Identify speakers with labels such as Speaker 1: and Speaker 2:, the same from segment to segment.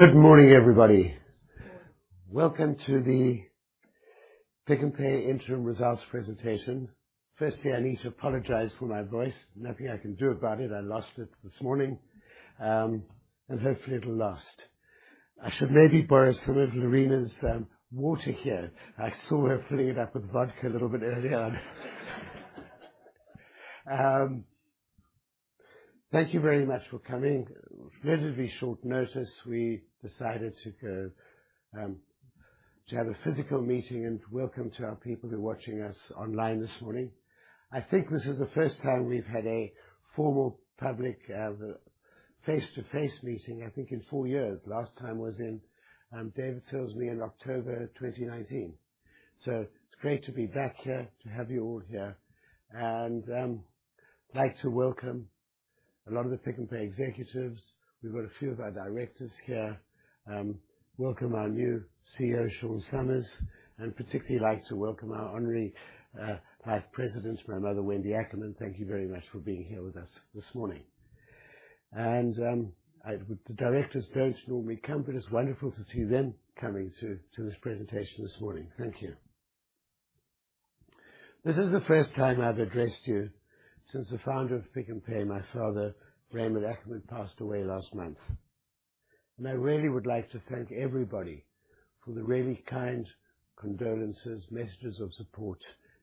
Speaker 1: Good morning, everybody. Welcome to the Pick n Pay interim results presentation. Firstly, I need to apologize for my voice. Nothing I can do about it. I lost it this morning, and hopefully it'll last. I should maybe borrow some of Lerena's water here. I saw her filling it up with vodka a little bit earlier on. Thank you very much for coming. Relatively short notice, we decided to go to have a physical meeting, and welcome to our people who are watching us online this morning. I think this is the first time we've had a formal public face-to-face meeting, I think, in four years. Last time was in, David tells me, in October 2019. So it's great to be back here, to have you all here, and I'd like to welcome a lot of the Pick n Pay executives. We've got a few of our directors here. Welcome our new CEO, Sean Summers, and particularly like to welcome our honorary vice president, my mother, Wendy Ackerman. Thank you very much for being here with us this morning. The directors don't normally come, but it's wonderful to see them coming to this presentation this morning. Thank you. This is the first time I've addressed you since the founder of Pick n Pay, my father, Raymond Ackerman, passed away last month. I really would like to thank everybody for the really kind condolences, messages of support,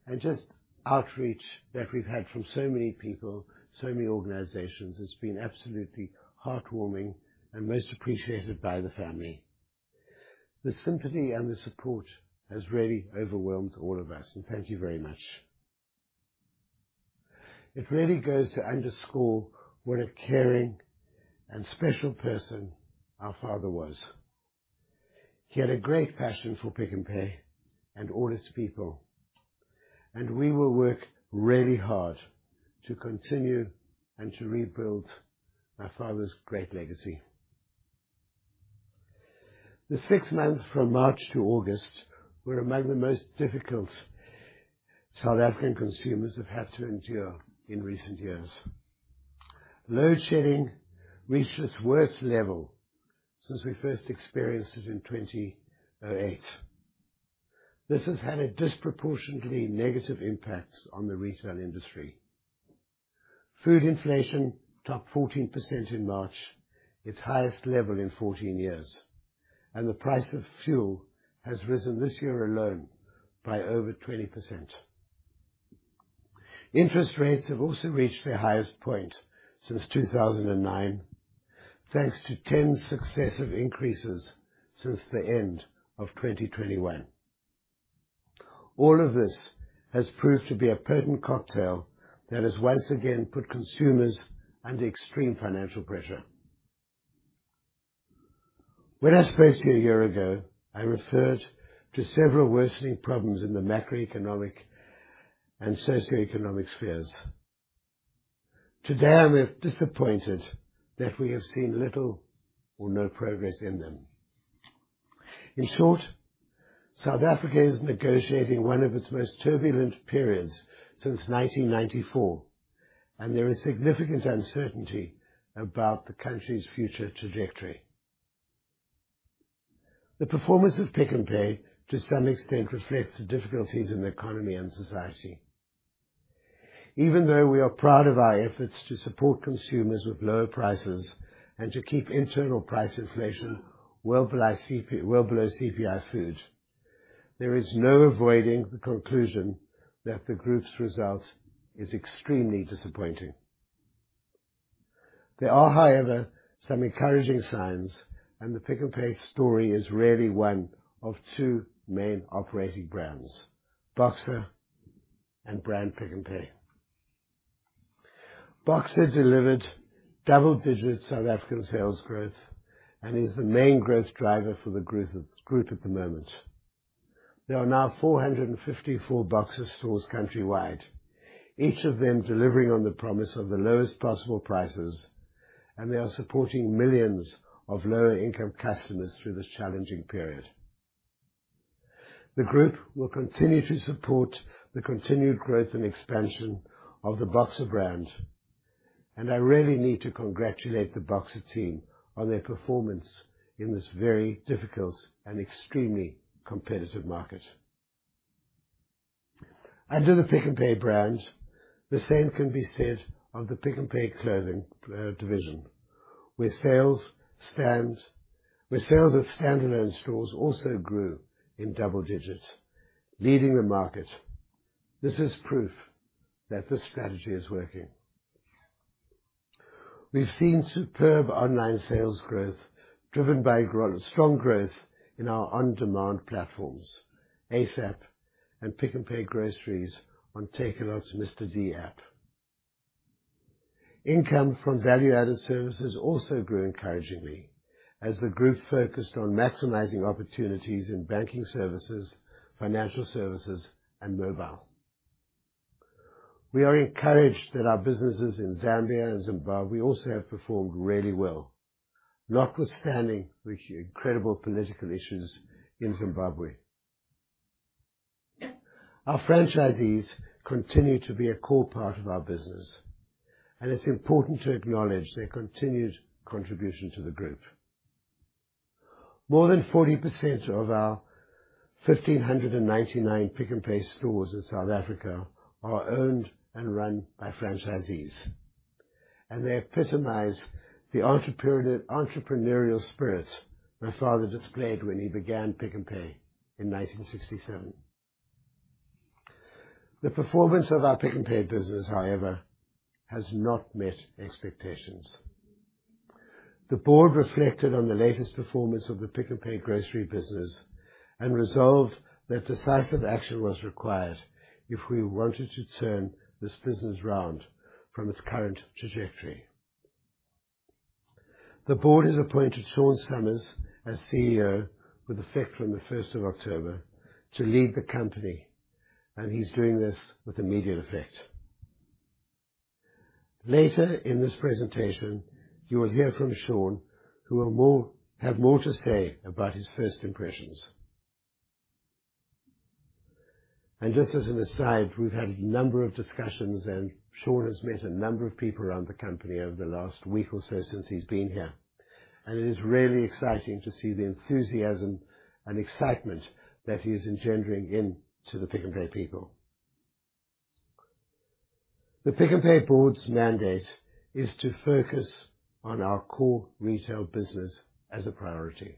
Speaker 1: and just outreach that we've had from so many people, so many organizations. It's been absolutely heartwarming and most appreciated by the family. The sympathy and the support has really overwhelmed all of us, and thank you very much. It really goes to underscore what a caring and special person our father was. He had a great passion for Pick n Pay and all its people, and we will work really hard to continue and to rebuild my father's great legacy. The six months from March to August were among the most difficult South African consumers have had to endure in recent years. Load shedding reached its worst level since we first experienced it in 2008. This has had a disproportionately negative impact on the retail industry. Food inflation topped 14% in March, its highest level in 14 years, and the price of fuel has risen this year alone by over 20%. Interest rates have also reached their highest point since 2009, thanks to 10 successive increases since the end of 2021. All of this has proved to be a potent cocktail that has once again put consumers under extreme financial pressure. When I spoke to you a year ago, I referred to several worsening problems in the macroeconomic and socioeconomic spheres. Today, I'm disappointed that we have seen little or no progress in them. In short, South Africa is negotiating one of its most turbulent periods since 1994, and there is significant uncertainty about the country's future trajectory. The performance of Pick n Pay, to some extent, reflects the difficulties in the economy and society. Even though we are proud of our efforts to support consumers with lower prices and to keep internal price inflation well below CPI, well below CPI food, there is no avoiding the conclusion that the group's results is extremely disappointing. There are, however, some encouraging signs, and the Pick n Pay story is really one of two main operating brands, Boxer and Brand Pick n Pay. Boxer delivered double-digit South African sales growth and is the main growth driver for the group at the moment. There are now 454 Boxer stores countrywide, each of them delivering on the promise of the lowest possible prices, and they are supporting millions of lower-income customers through this challenging period. The group will continue to support the continued growth and expansion of the Boxer brand, and I really need to congratulate the Boxer team on their performance in this very difficult and extremely competitive market. Under the Pick n Pay brand, the same can be said of the Pick n Pay Clothing Division, where sales of standalone stores also grew in double digits, leading the market. This is proof that this strategy is working. We've seen superb online sales growth, driven by growth, strong growth in our on-demand platforms, ASAP and Pick n Pay Groceries on Takealot's Mr. D app. Income from value-added services also grew encouragingly as the group focused on maximizing opportunities in banking services, financial services, and mobile. We are encouraged that our businesses in Zambia and Zimbabwe also have performed really well, notwithstanding the incredible political issues in Zimbabwe. Our franchisees continue to be a core part of our business, and it's important to acknowledge their continued contribution to the group. More than 40% of our 1,599 Pick n Pay stores in South Africa are owned and run by franchisees, and they epitomize the entrepreneurial, entrepreneurial spirit my father displayed when he began Pick n Pay in 1967. The performance of our Pick n Pay business, however, has not met expectations. The board reflected on the latest performance of the Pick n Pay grocery business and resolved that decisive action was required if we wanted to turn this business around from its current trajectory. The board has appointed Sean Summers as CEO, with effect from the first of October, to lead the company, and he's doing this with immediate effect. Later in this presentation, you will hear from Sean, who will have more to say about his first impressions. Just as an aside, we've had a number of discussions, and Sean has met a number of people around the company over the last week or so since he's been here, and it is really exciting to see the enthusiasm and excitement that he is engendering into the Pick n Pay people. The Pick n Pay board's mandate is to focus on our core retail business as a priority.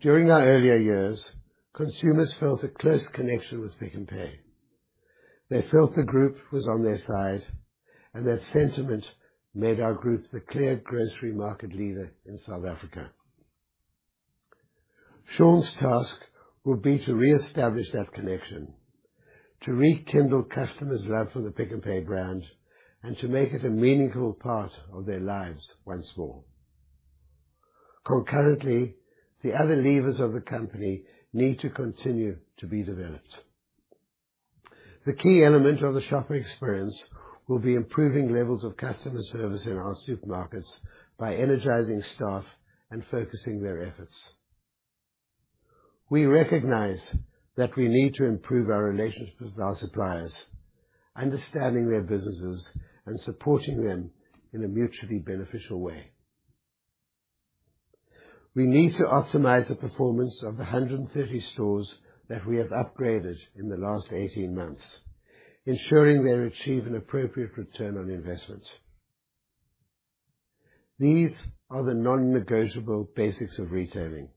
Speaker 1: During our earlier years, consumers felt a close connection with Pick n Pay. They felt the group was on their side, and that sentiment made our group the clear grocery market leader in South Africa. Sean's task will be to reestablish that connection, to rekindle customers' love for the Pick n Pay brand, and to make it a meaningful part of their lives once more. Concurrently, the other levers of the company need to continue to be developed. The key element of the shopper experience will be improving levels of customer service in our supermarkets by energizing staff and focusing their efforts. We recognize that we need to improve our relationships with our suppliers, understanding their businesses and supporting them in a mutually beneficial way. We need to optimize the performance of the 130 stores that we have upgraded in the last 18 months, ensuring they achieve an appropriate return on investment. These are the non-negotiable basics of retailing.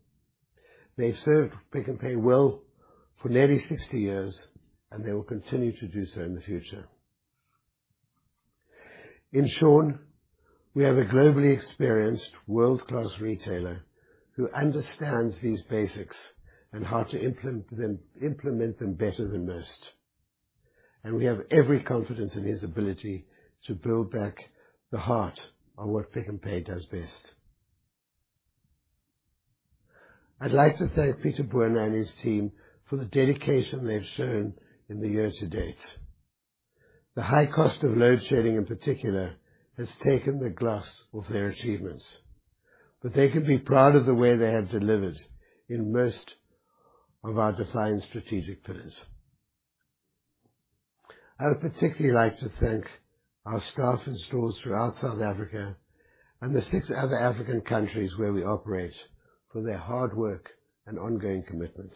Speaker 1: They've served Pick n Pay well for nearly 60 years, and they will continue to do so in the future. In Sean, we have a globally experienced, world-class retailer who understands these basics and how to implement them, implement them better than most, and we have every confidence in his ability to build back the heart of what Pick n Pay does best. I'd like to thank Pieter Boone and his team for the dedication they've shown in the year to date. The high cost of load shedding, in particular, has taken the gloss off their achievements, but they can be proud of the way they have delivered in most of our defined strategic pillars. I would particularly like to thank our staff and stores throughout South Africa and the six other African countries where we operate, for their hard work and ongoing commitment.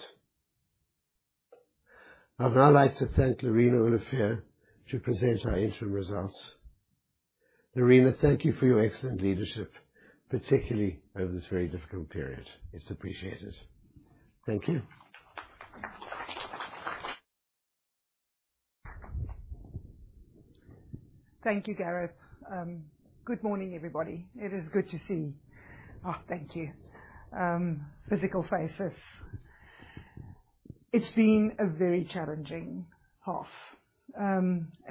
Speaker 1: I'd now like to thank Lerena Olivier to present our interim results. Lerena, thank you for your excellent leadership, particularly over this very difficult period. It's appreciated. Thank you.
Speaker 2: Thank you, Gareth. Good morning, everybody. It is good to see. Oh, thank you. Physical faces. It's been a very challenging half.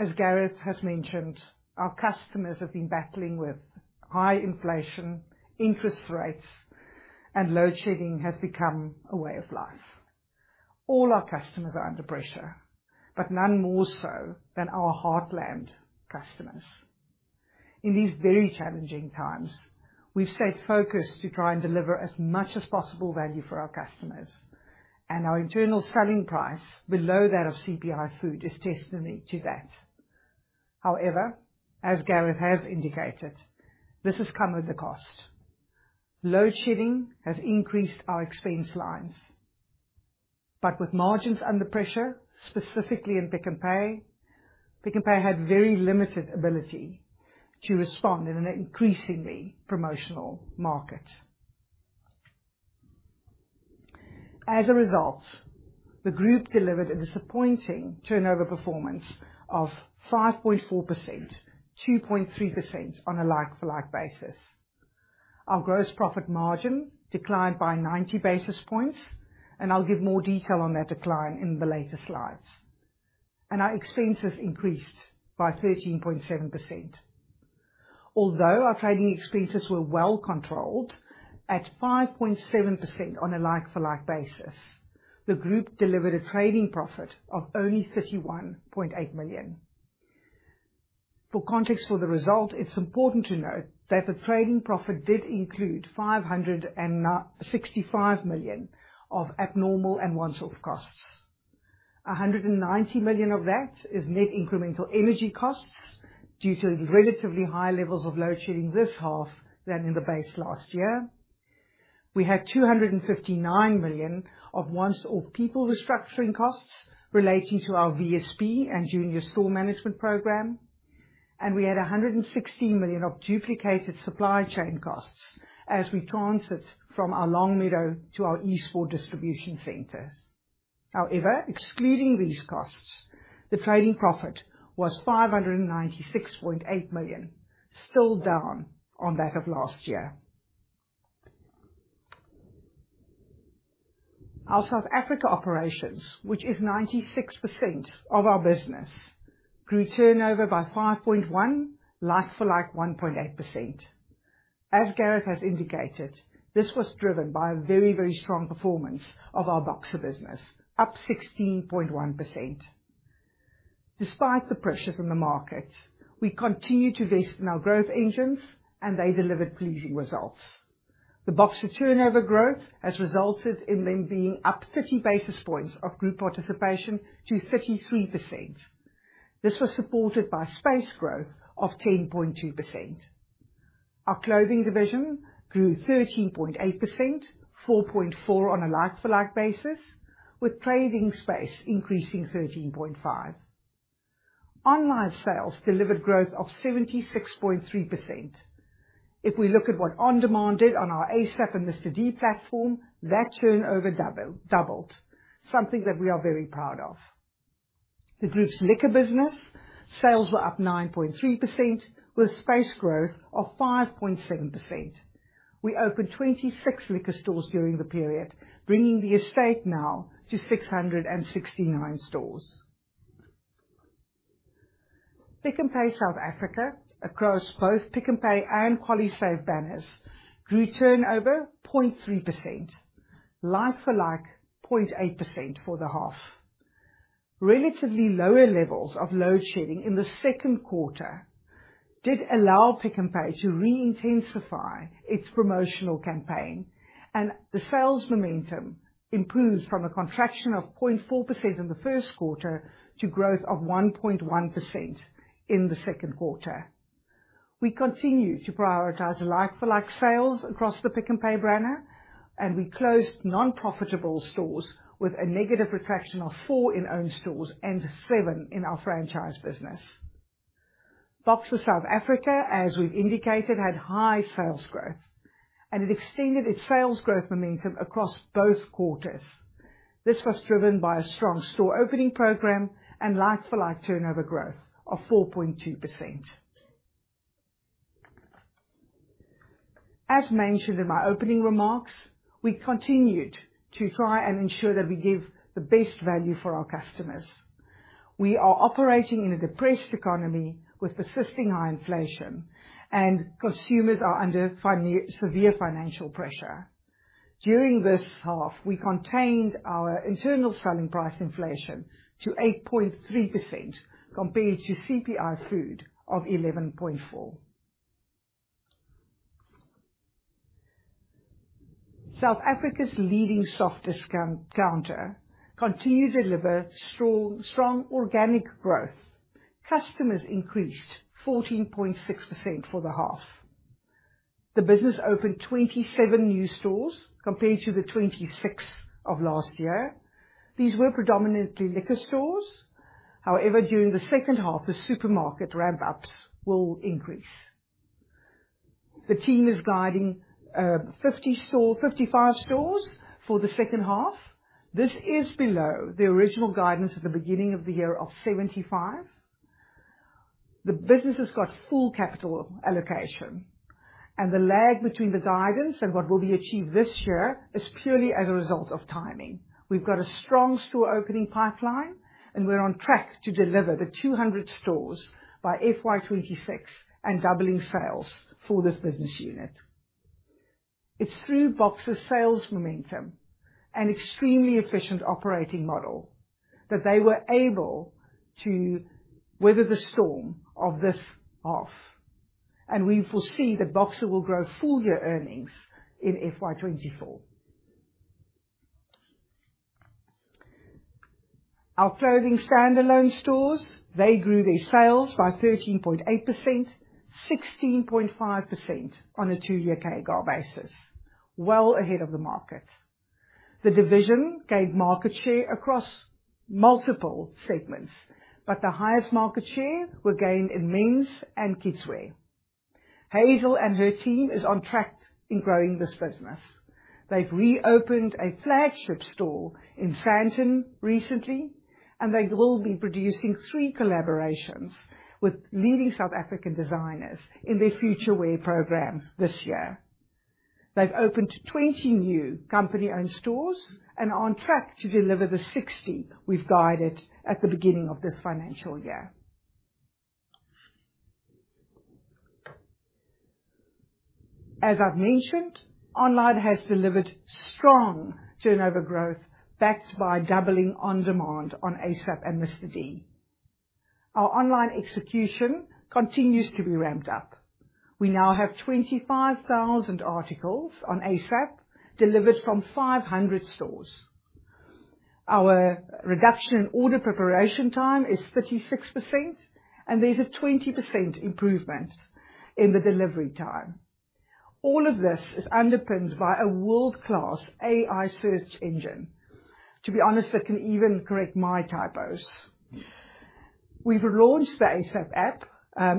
Speaker 2: As Gareth has mentioned, our customers have been battling with high inflation, interest rates, and load shedding has become a way of life. All our customers are under pressure, but none more so than our heartland customers. In these very challenging times, we've stayed focused to try and deliver as much as possible value for our customers, and our internal selling price, below that of CPI Food, is testimony to that. However, as Gareth has indicated, this has come with a cost. Load shedding has increased our expense lines, but with margins under pressure, specifically in Pick n Pay, Pick n Pay had very limited ability to respond in an increasingly promotional market. As a result, the group delivered a disappointing turnover performance of 5.4%, 2.3% on a like-for-like basis. Our gross profit margin declined by 90 basis points, and I'll give more detail on that decline in the later slides. Our expenses increased by 13.7%. Although our trading expenses were well controlled, at 5.7% on a like-for-like basis, the group delivered a trading profit of only 51.8 million. For context for the result, it's important to note that the trading profit did include 596.5 million of abnormal and once-off costs. 190 million of that is net incremental energy costs due to the relatively high levels of load shedding this half than in the base last year. We had 259 million of once-off people restructuring costs relating to our VSP and junior store management program, and we had 116 million of duplicated supply chain costs as we transferred from our Longmeadow to our Eastport distribution centers. However, excluding these costs, the trading profit was 596.8 million, still down on that of last year. Our South Africa operations, which is 96% of our business, grew turnover by 5.1%, like-for-like 1.8%. As Gareth has indicated, this was driven by a very, very strong performance of our Boxer business, up 16.1%. Despite the pressures in the market, we continue to invest in our growth engines, and they delivered pleasing results. The Boxer turnover growth has resulted in them being up 30 basis points of group participation to 33%. This was supported by space growth of 10.2%. Our clothing division grew 13.8%, 4.4 on a like-for-like basis, with trading space increasing 13.5. Online sales delivered growth of 76.3%. If we look at what On Demand did on our ASAP and Mr. D platform, that turnover doubled, something that we are very proud of. The group's liquor business, sales were up 9.3%, with space growth of 5.7%. We opened 26 liquor stores during the period, bringing the estate now to 669 stores. Pick n Pay South Africa, across both Pick n Pay and QualiSave banners, grew turnover 0.3%, like-for-like 0.8% for the half. Relatively lower levels of load shedding in the second quarter did allow Pick n Pay to re-intensify its promotional campaign, and the sales momentum improved from a contraction of 0.4% in the first quarter to growth of 1.1% in the second quarter. We continue to prioritize like-for-like sales across the Pick n Pay banner, and we closed non-profitable stores with a negative traction of 4 in own stores and 7 in our franchise business. Boxer South Africa, as we've indicated, had high sales growth, and it extended its sales growth momentum across both quarters. This was driven by a strong store opening program and like-for-like turnover growth of 4.2%. As mentioned in my opening remarks, we continued to try and ensure that we give the best value for our customers. We are operating in a depressed economy with persisting high inflation, and consumers are under severe financial pressure. During this half, we contained our internal selling price inflation to 8.3%, compared to CPI food of 11.4%. South Africa's leading Boxer continued to deliver strong, strong organic growth. Customers increased 14.6% for the half. The business opened 27 new stores compared to the 26 of last year. These were predominantly liquor stores. However, during the second half, the supermarket ramp-ups will increase. The team is guiding 55 stores for the second half. This is below the original guidance at the beginning of the year of 75. The business has got full capital allocation, and the lag between the guidance and what will be achieved this year is purely as a result of timing. We've got a strong store opening pipeline, and we're on track to deliver the 200 stores by FY 2026 and doubling sales for this business unit. It's through Boxer's sales momentum and extremely efficient operating model that they were able to weather the storm of this half, and we foresee that Boxer will grow full year earnings in FY 2024. Our clothing standalone stores, they grew their sales by 13.8%, 16.5% on a two year CAGR basis, well ahead of the market. The division gained market share across multiple segments, but the highest market share were gained in men's and kids' wear. Hazel and her team is on track in growing this business. They've reopened a flagship store in Sandton recently, and they will be producing 3 collaborations with leading South African designers in their Futurewear program this year. They've opened 20 new company-owned stores and are on track to deliver the 60 we've guided at the beginning of this financial year. As I've mentioned, online has delivered strong turnover growth, backed by doubling on demand on ASAP and Mr. D. Our online execution continues to be ramped up. We now have 25,000 articles on ASAP, delivered from 500 stores. Our reduction in order preparation time is 36%, and there's a 20% improvement in the delivery time. All of this is underpinned by a world-class AI search engine, to be honest, that can even correct my typos. We've relaunched the ASAP app,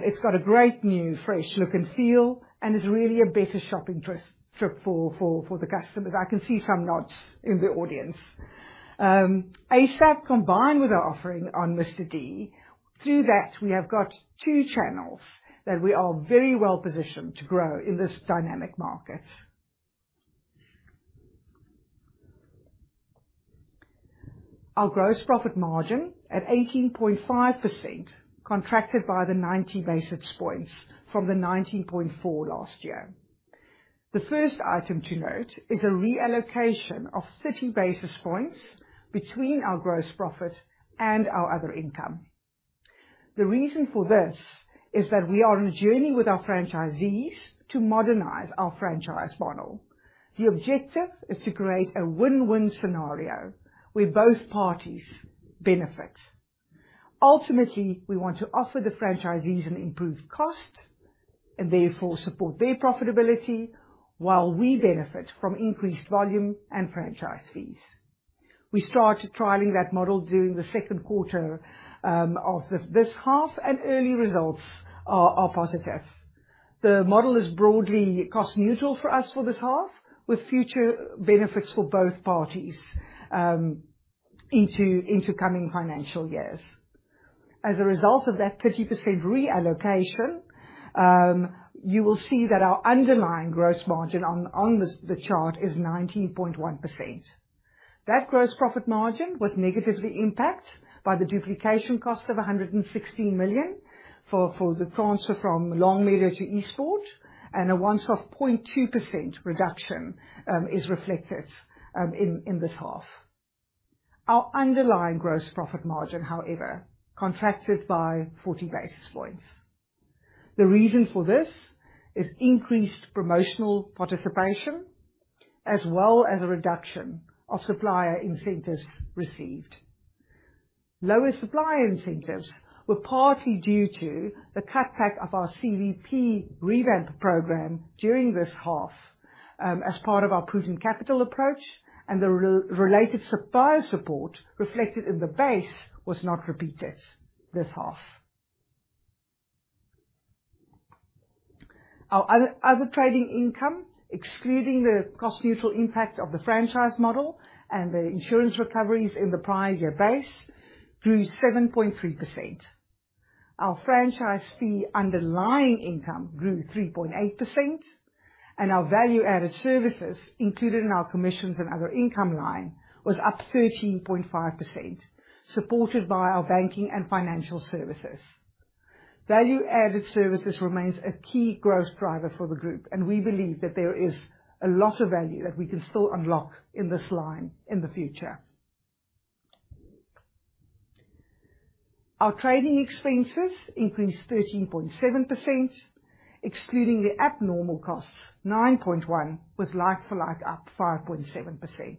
Speaker 2: it's got a great new, fresh look and feel, and is really a better shopping trip for the customers. I can see some nods in the audience. ASAP, combined with our offering on Mr. D, through that, we have got two channels that we are very well positioned to grow in this dynamic market. Our gross profit margin, at 18.5%, contracted by the 90 basis points from the 19.4 last year. The first item to note is a reallocation of 30 basis points between our gross profit and our other income. The reason for this is that we are on a journey with our franchisees to modernize our franchise model. The objective is to create a win-win scenario where both parties benefit. Ultimately, we want to offer the franchisees an improved cost, and therefore support their profitability, while we benefit from increased volume and franchise fees. We started trialing that model during the second quarter of this half, and early results are positive. The model is broadly cost neutral for us for this half, with future benefits for both parties into coming financial years. As a result of that 30% reallocation, you will see that our underlying gross margin on the chart is 19.1%. That gross profit margin was negatively impacted by the duplication cost of 116 million for the transfer from Longmeadow to Eastport, and a once-off 0.2% reduction is reflected in this half. Our underlying gross profit margin, however, contracted by 40 basis points. The reason for this is increased promotional participation, as well as a reduction of supplier incentives received. Lower supplier incentives were partly due to the cutback of our CVP revamp program during this half, as part of our prudent capital approach, and the related supplier support reflected in the base was not repeated this half. Our other trading income, excluding the cost neutral impact of the franchise model and the insurance recoveries in the prior year base, grew 7.3%. Our franchise fee underlying income grew 3.8%, and our value-added services, included in our commissions and other income line, was up 13.5%, supported by our banking and financial services. Value-added services remains a key growth driver for the group, and we believe that there is a lot of value that we can still unlock in this line in the future. Our trading expenses increased 13.7%, excluding the abnormal costs, 9.1, was like-for-like, up 5.7%.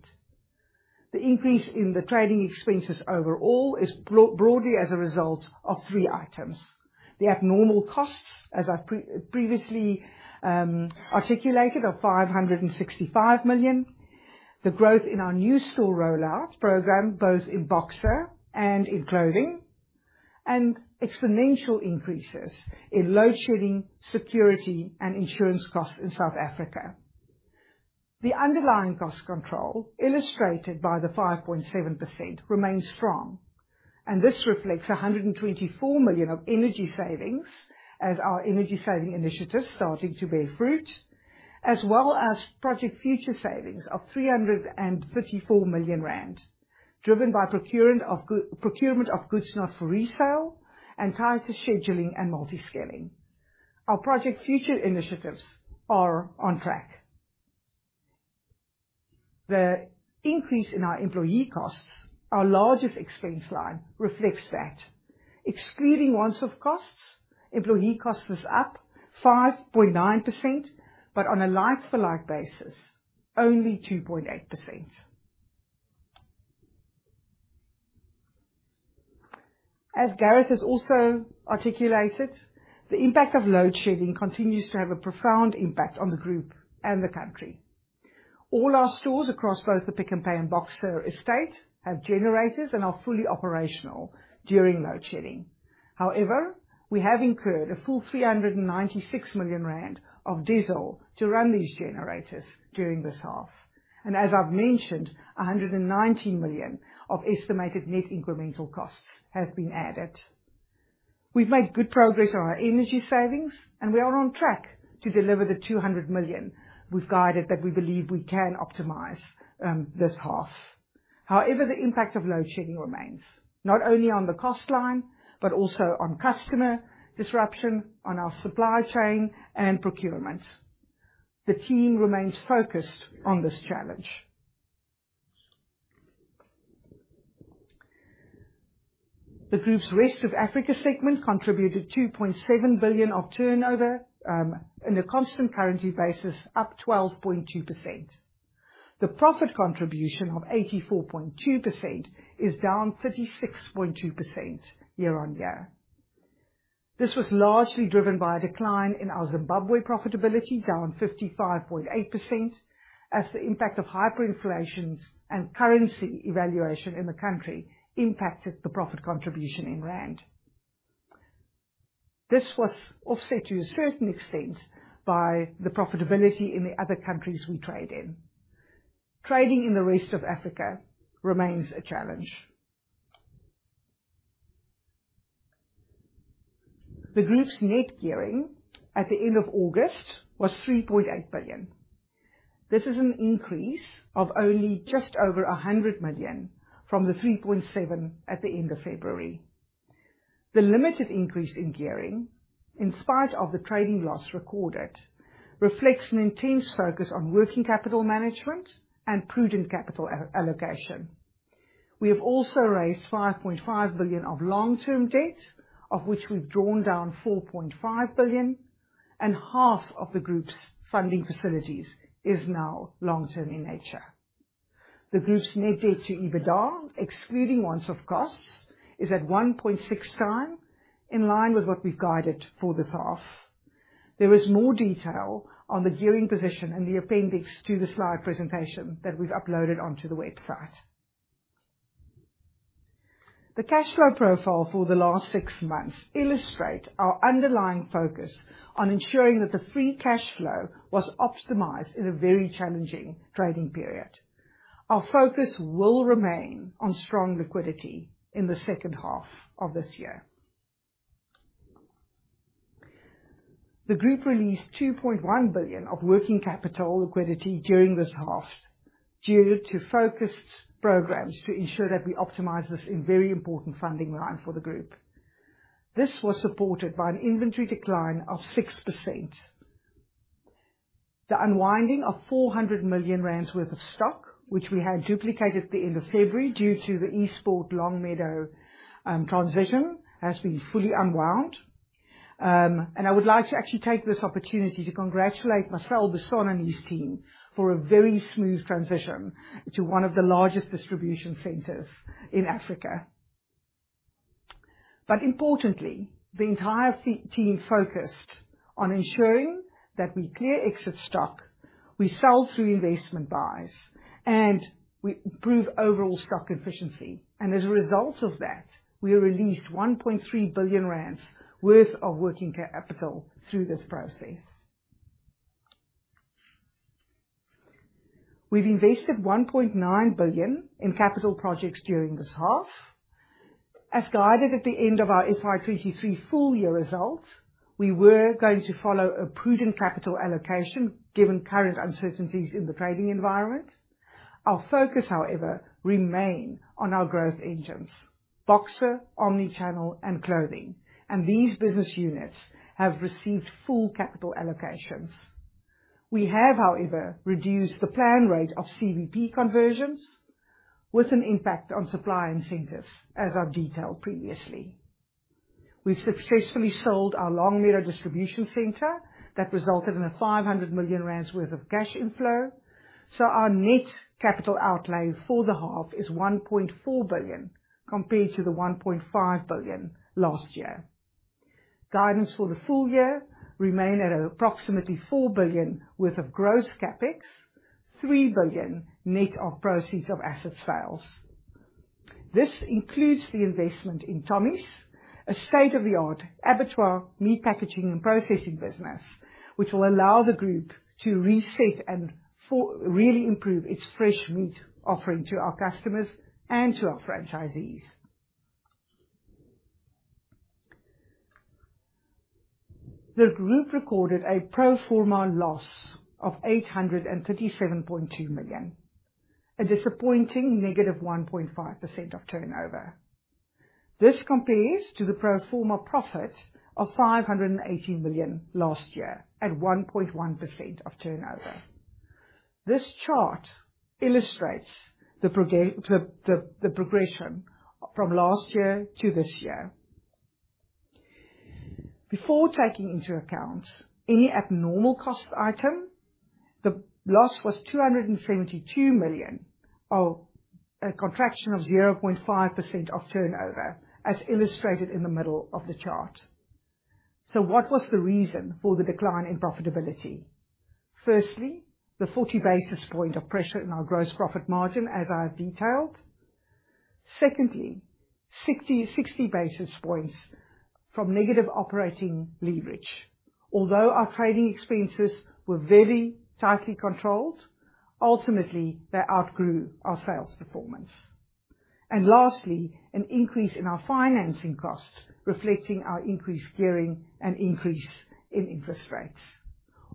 Speaker 2: The increase in the trading expenses overall is broadly as a result of three items: the abnormal costs, as I've previously articulated, are 565 million, the growth in our new store rollout program, both in Boxer and in clothing, and exponential increases in load shedding, security, and insurance costs in South Africa. The underlying cost control, illustrated by the 5.7%, remains strong, and this reflects 124 million of energy savings as our energy saving initiative is starting to bear fruit, as well as Project Future savings of 334 million rand, driven by procurement of procurement of goods not for resale and tighter scheduling and multi-scaling. Our Project Future initiatives are on track. The increase in our employee costs, our largest expense line, reflects that. Excluding once-off costs, employee cost is up 5.9%, but on a like-for-like basis, only 2.8%. As Gareth has also articulated, the impact of load shedding continues to have a profound impact on the group and the country. All our stores across both the Pick n Pay and Boxer estate have generators and are fully operational during load shedding. However, we have incurred a full 396 million rand of diesel to run these generators during this half, and as I've mentioned, 190 million of estimated net incremental costs has been added. We've made good progress on our energy savings, and we are on track to deliver the 200 million we've guided that we believe we can optimize, this half. However, the impact of load shedding remains, not only on the cost line, but also on customer disruption, on our supply chain, and procurements. The team remains focused on this challenge. The group's rest of Africa segment contributed 2.7 billion of turnover, in a constant currency basis, up 12.2%. The profit contribution of 84.2% is down 36.2% year-on-year. This was largely driven by a decline in our Zimbabwe profitability, down 55.8%, as the impact of hyperinflations and currency devaluation in the country impacted the profit contribution in rand. This was offset to a certain extent by the profitability in the other countries we trade in. Trading in the rest of Africa remains a challenge. The group's net gearing at the end of August was 3.8 billion. This is an increase of only just over 100 million from the 3.7 at the end of February. The limited increase in gearing, in spite of the trading loss recorded, reflects an intense focus on working capital management and prudent capital allocation. We have also raised 5.5 billion of long-term debt, of which we've drawn down 4.5 billion, and half of the group's funding facilities is now long-term in nature. The group's net debt to EBITDA, excluding once-off costs, is at 1.6 times, in line with what we've guided for this half. There is more detail on the gearing position in the appendix to the slide presentation that we've uploaded onto the website. The cash flow profile for the last six months illustrate our underlying focus on ensuring that the free cash flow was optimized in a very challenging trading period. Our focus will remain on strong liquidity in the second half of this year. The group released 2.1 billion of working capital liquidity during this half, due to focused programs to ensure that we optimize this in very important funding line for the group. This was supported by an inventory decline of 6%. The unwinding of 400 million rand worth of stock, which we had duplicated at the end of February, due to the Eastport Longmeadow transition, has been fully unwound. And I would like to actually take this opportunity to congratulate Marcel Besson and his team for a very smooth transition to one of the largest distribution centers in Africa. But importantly, the entire team focused on ensuring that we clear exit stock, we sell through investment buys, and we improve overall stock efficiency. As a result of that, we released 1.3 billion rand worth of working capital through this process. We've invested 1.9 billion in capital projects during this half. As guided at the end of our FY 2023 full year results, we were going to follow a prudent capital allocation, given current uncertainties in the trading environment. Our focus, however, remain on our growth engines, Boxer, omni-channel, and clothing, and these business units have received full capital allocations. We have, however, reduced the plan rate of CVP conversions with an impact on supply incentives, as I've detailed previously. We've successfully sold our Longmeadow distribution center that resulted in 500 million rand worth of cash inflow, so our net capital outlay for the half is 1.4 billion, compared to the 1.5 billion last year. Guidance for the full year remain at approximately 4 billion worth of gross CapEx, 3 billion net of proceeds of asset sales. This includes the investment in Tomis, a state-of-the-art abattoir meat packaging and processing business, which will allow the group to reset and really improve its fresh meat offering to our customers and to our franchisees. The group recorded a pro forma loss of 837.2 million, a disappointing -1.5% of turnover. This compares to the pro forma profit of 580 million last year, at 1.1% of turnover. This chart illustrates the progression from last year to this year. Before taking into account any abnormal cost item, the loss was 272 million, or a contraction of 0.5% of turnover, as illustrated in the middle of the chart. So what was the reason for the decline in profitability? Firstly, the 40 basis points of pressure in our gross profit margin, as I have detailed. Secondly, 60 basis points from negative operating leverage. Although our trading expenses were very tightly controlled, ultimately, they outgrew our sales performance, and lastly, an increase in our financing cost, reflecting our increased gearing and increase in interest rates.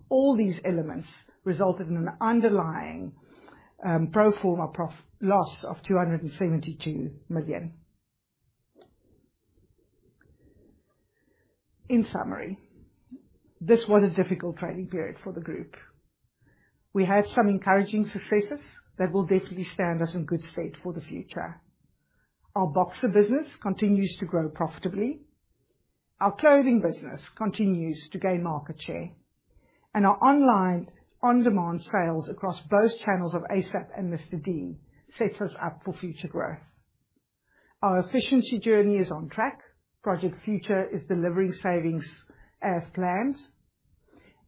Speaker 2: All these elements resulted in an underlying pro forma loss of 272 million. In summary, this was a difficult trading period for the group. We had some encouraging successes that will definitely stand us in good stead for the future. Our Boxer business continues to grow profitably. Our clothing business continues to gain market share, and our online on-demand sales across both channels of ASAP and Mr. D sets us up for future growth. Our efficiency journey is on track. Project Future is delivering savings as planned,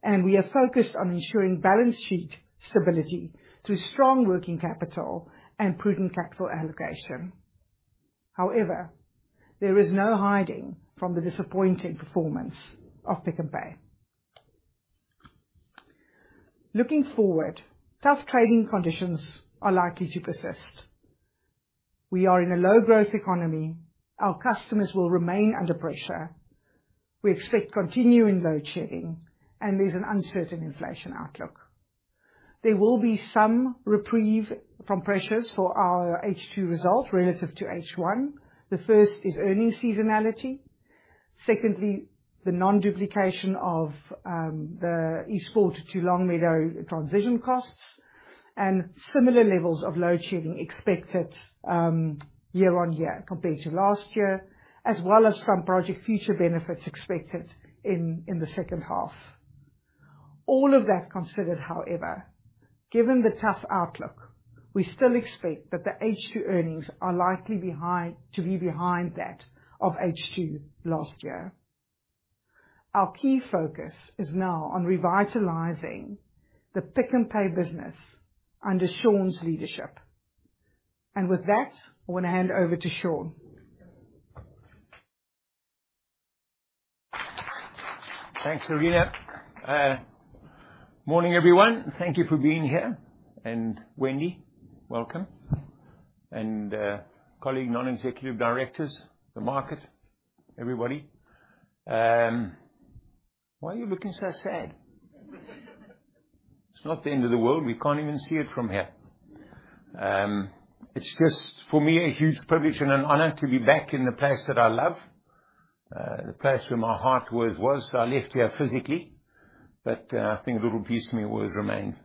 Speaker 2: and we are focused on ensuring balance sheet stability through strong working capital and prudent capital allocation. However, there is no hiding from the disappointing performance of Pick n Pay. Looking forward, tough trading conditions are likely to persist. We are in a low-growth economy. Our customers will remain under pressure. We expect continuing load shedding, and there's an uncertain inflation outlook. There will be some reprieve from pressures for our H2 result relative to H1. The first is earnings seasonality, secondly, the non-duplication of the Eastport to Longmeadow transition costs, and similar levels of load shedding expected year-on-year compared to last year, as well as some Project Future benefits expected in the second half. All of that considered, however, given the tough outlook, we still expect that the H2 earnings are likely to be behind that of H2 last year. Our key focus is now on revitalizing the Pick n Pay business under Sean's leadership. And with that, I want to hand over to Sean.
Speaker 3: Thanks, Lerena. Morning, everyone. Thank you for being here. And Wendy, welcome, and colleague, non-executive directors, the market, everybody. Why are you looking so sad? It's not the end of the world. We can't even see it from here. It's just, for me, a huge privilege and an honor to be back in the place that I love, the place where my heart was, was. I left here physically, but I think a little piece of me always remained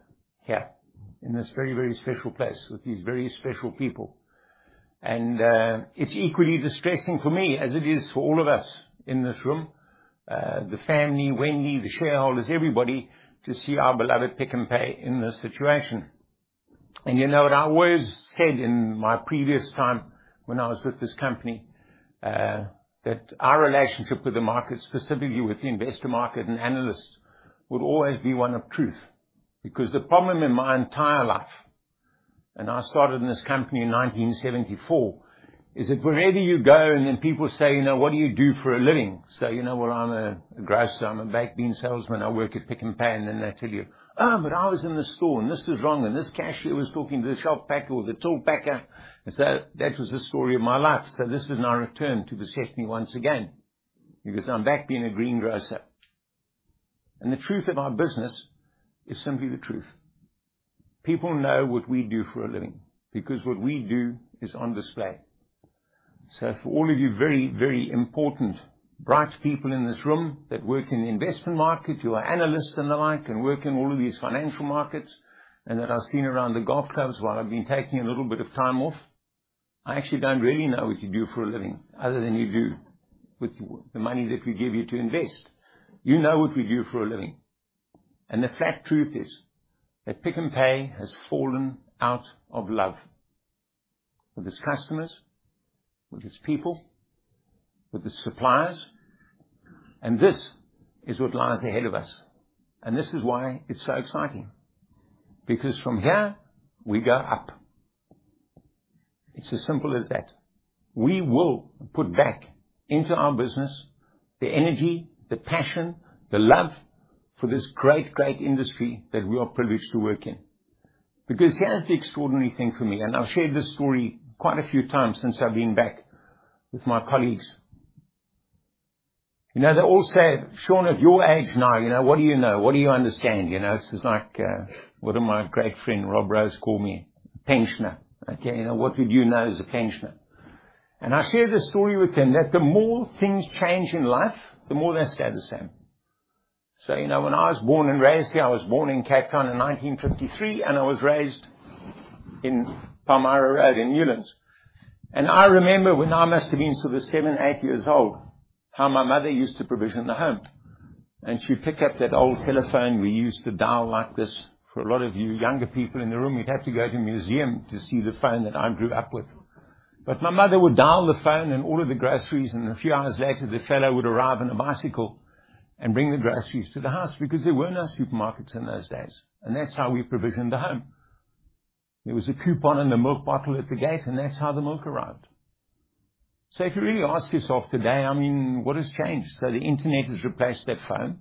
Speaker 3: here in this very, very special place with these very special people. And it's equally distressing for me as it is for all of us in this room, the family, Wendy, the shareholders, everybody, to see our beloved Pick n Pay in this situation. You know what I always said in my previous time when I was with this company, that our relationship with the market, specifically with the investor market and analysts, would always be one of truth. Because the problem in my entire life, and I started in this company in 1974, is that wherever you go, and then people say, "Now, what do you do for a living?" So, you know, "Well, I'm a grocer. I'm a baked bean salesman. I work at Pick n Pay." And then they tell you, "Oh, but I was in the store, and this was wrong, and this cashier was talking to the shop packer or the till packer." And so that was the story of my life. So this is now returned to beset me once again, because I'm back being a green grocer. The truth of our business is simply the truth. People know what we do for a living, because what we do is on display. So for all of you, very, very important, bright people in this room that work in the investment market, you are analysts and the like, and work in all of these financial markets, and that I've seen around the golf clubs while I've been taking a little bit of time off, I actually don't really know what you do for a living, other than you do with the money that we give you to invest. You know what we do for a living. And the fact truth is that Pick n Pay has fallen out of love with its customers, with its people, with its suppliers, and this is what lies ahead of us, and this is why it's so exciting. Because from here, we go up. It's as simple as that. We will put back into our business the energy, the passion, the love for this great, great industry that we are privileged to work in. Because here's the extraordinary thing for me, and I've shared this story quite a few times since I've been back with my colleagues. You know, they all say, "Sean, at your age now, you know, what do you know? What do you understand?" You know, this is like, what my great friend, Rob Rose, call me, a pensioner. Okay, you know, what would you know as a pensioner? And I share this story with him, that the more things change in life, the more they stay the same. So, you know, when I was born and raised here, I was born in Cape Town in 1953, and I was raised in Palmyra Road in Newlands. And I remember when I must have been sort of seven, eight years old, how my mother used to provision the home, and she'd pick up that old telephone. We used to dial like this. For a lot of you younger people in the room, you'd have to go to a museum to see the phone that I grew up with. But my mother would dial the phone and all of the groceries, and a few hours later, the fellow would arrive on a bicycle and bring the groceries to the house, because there were no supermarkets in those days, and that's how we provisioned the home. There was a coupon and a milk bottle at the gate, and that's how the milk arrived. So if you really ask yourself today, I mean, what has changed? So the internet has replaced that phone,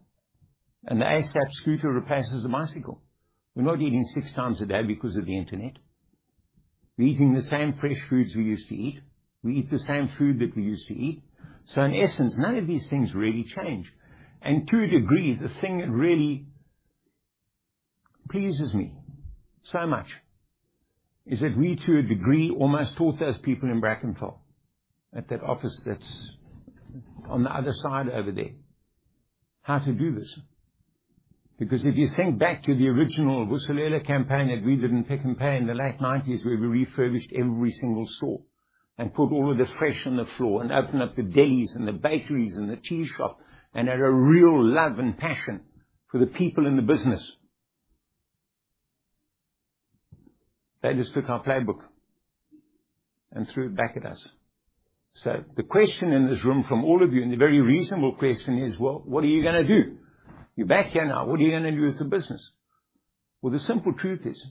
Speaker 3: and the ASAP scooter replaces the bicycle. We're not eating six times a day because of the internet. We're eating the same fresh foods we used to eat. We eat the same food that we used to eat. So in essence, none of these things really change. And to a degree, the thing that really pleases me so much is that we, to a degree, almost taught those people in Brackenfell, at that office that's on the other side over there, how to do this. Because if you think back to the original Vuselela campaign that we did in Pick n Pay in the late 1990s, where we refurbished every single store and put all of the fresh on the floor, and opened up the delis, and the bakeries, and the tea shop, and had a real love and passion for the people in the business. They just took our playbook and threw it back at us. So the question in this room from all of you, and a very reasonable question, is, well, what are you gonna do? You're back here now. What are you gonna do with the business? Well, the simple truth is,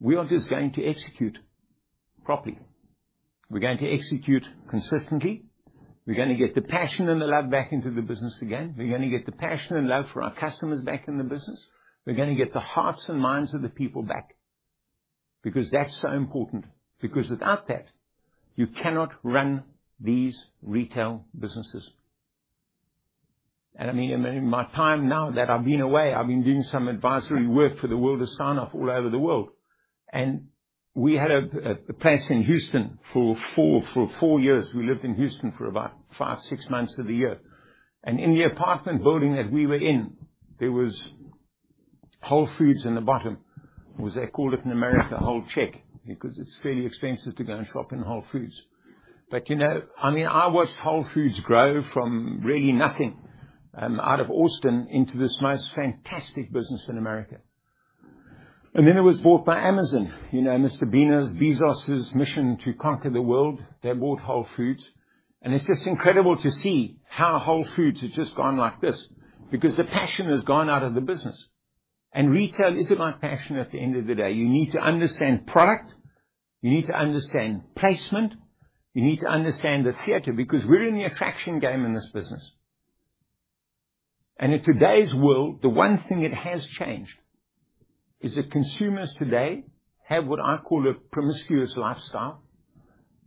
Speaker 3: we are just going to execute properly. We're going to execute consistently. We're gonna get the passion and the love back into the business again. We're gonna get the passion and love for our customers back in the business. We're gonna get the hearts and minds of the people back, because that's so important, because without that, you cannot run these retail businesses. I mean, in my time now that I've been away, I've been doing some advisory work for the world of Steinhoff all over the world. We had a place in Houston for four years. We lived in Houston for about 5, 6 months of the year. In the apartment building that we were in, there was Whole Foods in the bottom. Or as they call it in America, Whole Paycheck, because it's fairly expensive to go and shop in Whole Foods. You know, I mean, I watched Whole Foods grow from really nothing out of Austin into this most fantastic business in America. Then it was bought by Amazon. You know, Mr. Bezos's mission to conquer the world. They bought Whole Foods, and it's just incredible to see how Whole Foods has just gone like this, because the passion has gone out of the business. Retail is about passion at the end of the day. You need to understand product, you need to understand placement, you need to understand the theater, because we're in the attraction game in this business. In today's world, the one thing that has changed is that consumers today have what I call a promiscuous lifestyle,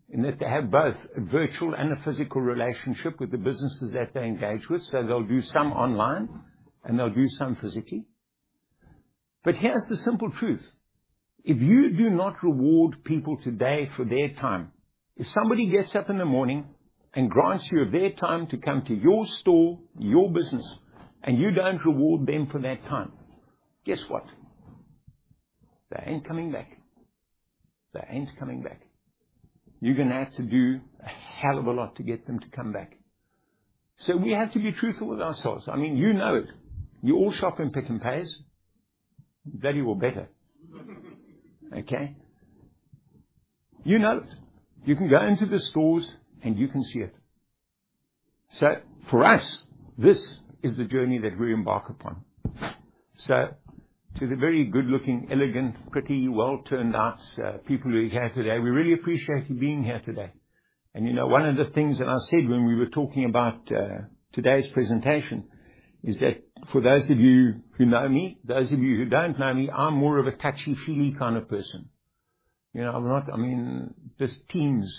Speaker 3: in that they have both a virtual and a physical relationship with the businesses that they engage with. So they'll do some online, and they'll do some physically. But here's the simple truth: If you do not reward people today for their time, if somebody gets up in the morning and grants you of their time to come to your store, your business, and you don't reward them for that time, guess what? They ain't coming back. They ain't coming back. You're gonna have to do a hell of a lot to get them to come back. So we have to be truthful with ourselves. I mean, you know it. You all shop in Pick n Pays, bloody well better. Okay? You know it. You can go into the stores, and you can see it. So for us, this is the journey that we embark upon. So to the very good-looking, elegant, pretty, well-turned-out, people who are here today, we really appreciate you being here today. And you know, one of the things that I said when we were talking about today's presentation is that for those of you who know me, those of you who don't know me, I'm more of a touchy-feely kind of person. You know, I'm not. I mean, this Teams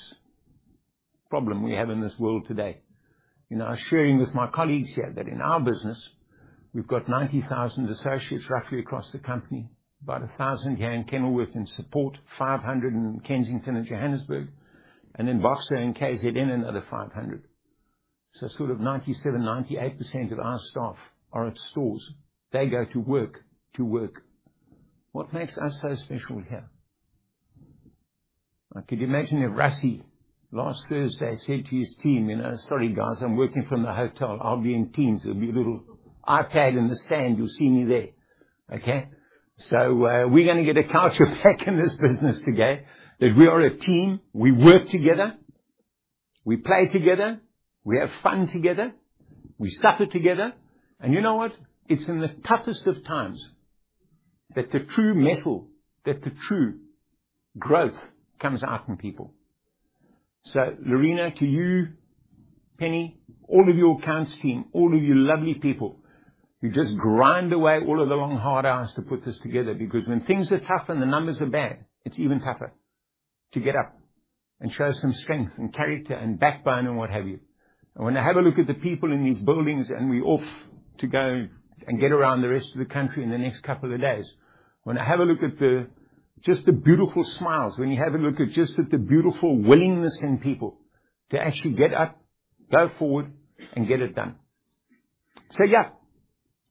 Speaker 3: problem we have in this world today. You know, I was sharing with my colleagues here that in our business, we've got 90,000 associates, roughly, across the company, about 1,000 here in Kenilworth in support, 500 in Kensington and Johannesburg, and in Boksburg and KZN, another 500. So sort of 97%-98% of our staff are at stores. They go to work to work. What makes us so special here? Can you imagine if Rassie, last Thursday, said to his team, "You know, sorry, guys, I'm working from the hotel. I'll be in Teams. There'll be a little arcade in the stand. You'll see me there." Okay? So, we're gonna get a culture back in this business today, that we are a team, we work together, we play together, we have fun together, we suffer together. And you know what? It's in the toughest of times that the true metal, that the true growth comes out in people. So, Lerena, to you, Penny, all of your accounts team, all of you lovely people, you just grind away all of the long, hard hours to put this together, because when things are tough and the numbers are bad, it's even tougher to get up and show some strength, and character, and backbone, and what have you. When I have a look at the people in these buildings, and we off to go and get around the rest of the country in the next couple of days, when I have a look at the just the beautiful smiles, when you have a look at just at the beautiful willingness in people to actually get up, go forward, and get it done. So, yeah,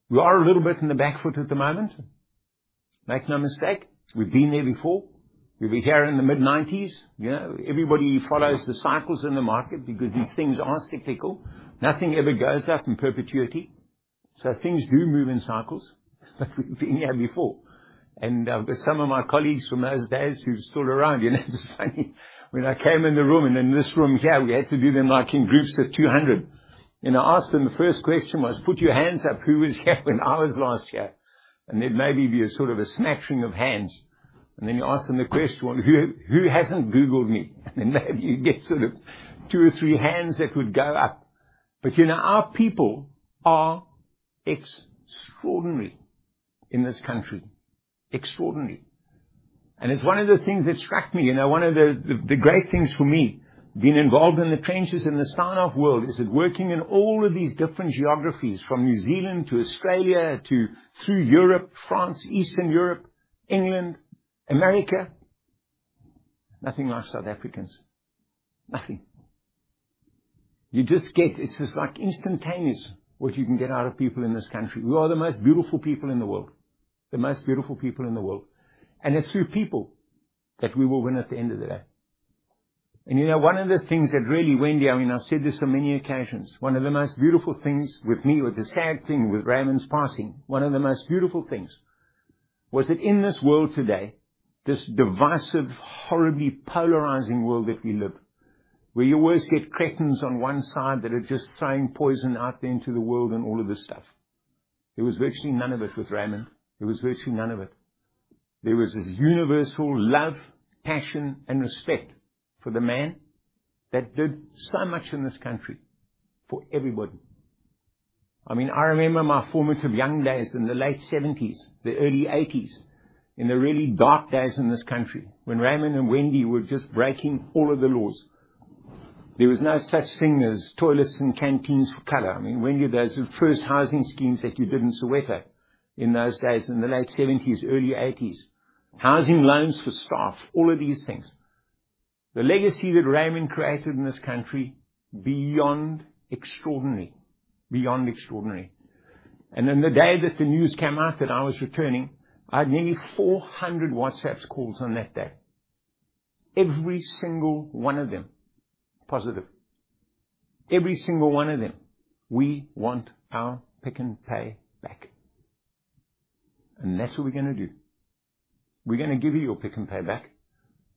Speaker 3: we are a little bit on the back foot at the moment. Make no mistake, we've been there before. We've been here in the mid-nineties. You know, everybody follows the cycles in the market because these things are cyclical. Nothing ever goes up in perpetuity. So things do move in cycles, but we've been here before. Some of my colleagues from those days who's still around, you know, it's funny, when I came in the room, and in this room here, we had to do them, like, in groups of 200. And I asked them, the first question was, "Put your hands up, who was here when I was last here?" And there'd maybe be a sort of a snatching of hands and then you ask them the question, "Well, who, who hasn't Googled me?" And then you get sort of two or three hands that would go up. But, you know, our people are extraordinary in this country. Extraordinary. It's one of the things that struck me, you know, one of the great things for me, being involved in the trenches in the Steinhoff world, is that working in all of these different geographies, from New Zealand to Australia, to through Europe, France, Eastern Europe, England, America, nothing like South Africans. Nothing. You just get It's just like instantaneous, what you can get out of people in this country. We are the most beautiful people in the world, the most beautiful people in the world. And it's through people that we will win at the end of the day. You know, one of the things that really went down, and I've said this on many occasions, one of the most beautiful things with me, with the sad thing with Raymond's passing, one of the most beautiful things was that in this world today, this divisive, horribly polarizing world that we live, where you always get cretins on one side that are just throwing poison out into the world and all of this stuff. There was virtually none of it with Raymond. There was virtually none of it. There was this universal love, passion, and respect for the man that did so much in this country for everybody. I mean, I remember my formative young days in the late 1970s, the early 1980s, in the really dark days in this country, when Raymond and Wendy were just breaking all of the laws. There was no such thing as toilets and canteens for color. I mean, Wendy, those were the first housing schemes that you did in Soweto in those days, in the late 1970s, early 1980s. Housing loans for staff, all of these things. The legacy that Raymond created in this country, beyond extraordinary. Beyond extraordinary. And then the day that the news came out that I was returning, I had nearly 400 WhatsApp calls on that day. Every single one of them, positive. Every single one of them, "We want our Pick n Pay back." And that's what we're gonna do. We're gonna give you your Pick n Pay back,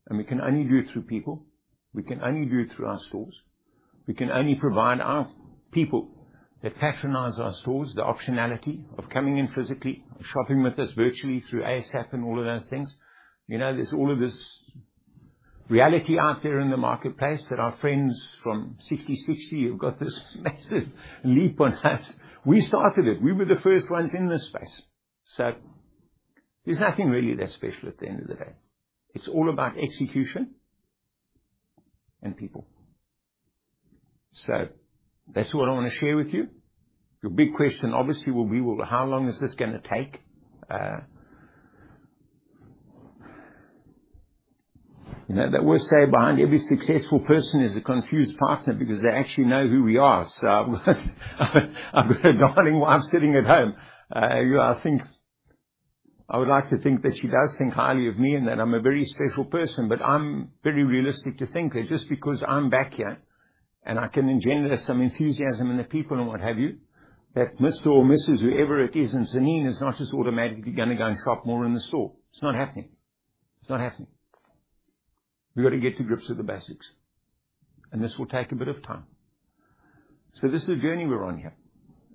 Speaker 3: and we can only do it through people. We can only do it through our stores. We can only provide our people that patronize our stores the optionality of coming in physically, shopping with us virtually through ASAP and all of those things. You know, there's all of this reality out there in the marketplace that our friends from Sixty60 who've got this massive leap on us. We started it. We were the first ones in this space. So there's nothing really that special at the end of the day. It's all about execution and people. So that's what I want to share with you. Your big question, obviously, will be, well, how long is this gonna take? You know, they always say behind every successful person is a confused partner, because they actually know who we are. So I've got a darling wife sitting at home. You know, I think I would like to think that she does think highly of me and that I'm a very special person, but I'm very realistic to think that just because I'm back here and I can engender some enthusiasm in the people and what have you, that Mr. or Mrs., whoever it is in Zondi, is not just automatically gonna go and shop more in the store. It's not happening. It's not happening. We've got to get to grips with the basics, and this will take a bit of time. So this is a journey we're on here,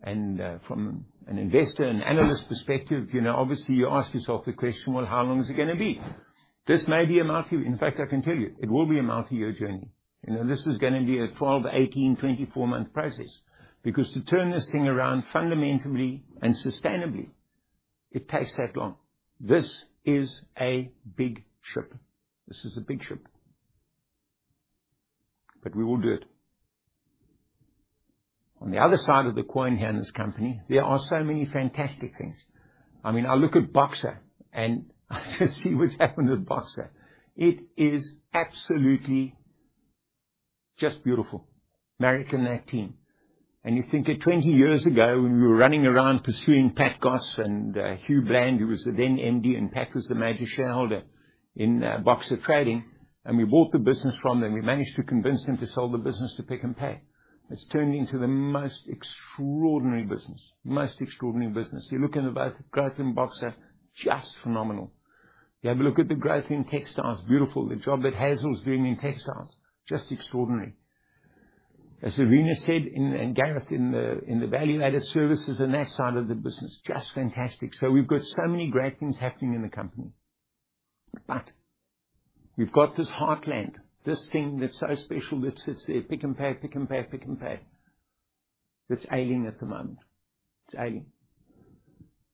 Speaker 3: and, from an investor and analyst perspective, you know, obviously, you ask yourself the question, "Well, how long is it gonna be?" This may be a multi... In fact, I can tell you, it will be a multi-year journey. You know, this is gonna be a 12, 18, 24 month process, because to turn this thing around fundamentally and sustainably, it takes that long. This is a big ship. This is a big ship. But we will do it. On the other side of the coin here in this company, there are so many fantastic things. I mean, I look at Boxer, and I just see what's happened with Boxer. It is absolutely just beautiful, Marek and that team. And you think that 20 years ago, when we were running around pursuing Pat Goss and Hugh Bland, who was the then MD, and Pat was the major shareholder in Boxer Trading, and we bought the business from them. We managed to convince them to sell the business to Pick n Pay. It's turned into the most extraordinary business. Most extraordinary business. You look at the growth in Boxer, just phenomenal. You have a look at the growth in textiles, beautiful. The job that Hazel's doing in textiles, just extraordinary. As Irina said, and Gareth in the value-added services on that side of the business, just fantastic. So we've got so many great things happening in the company. But we've got this heartland, this thing that's so special, that sits there, Pick n Pay, Pick n Pay, Pick n Pay, that's ailing at the moment. It's ailing.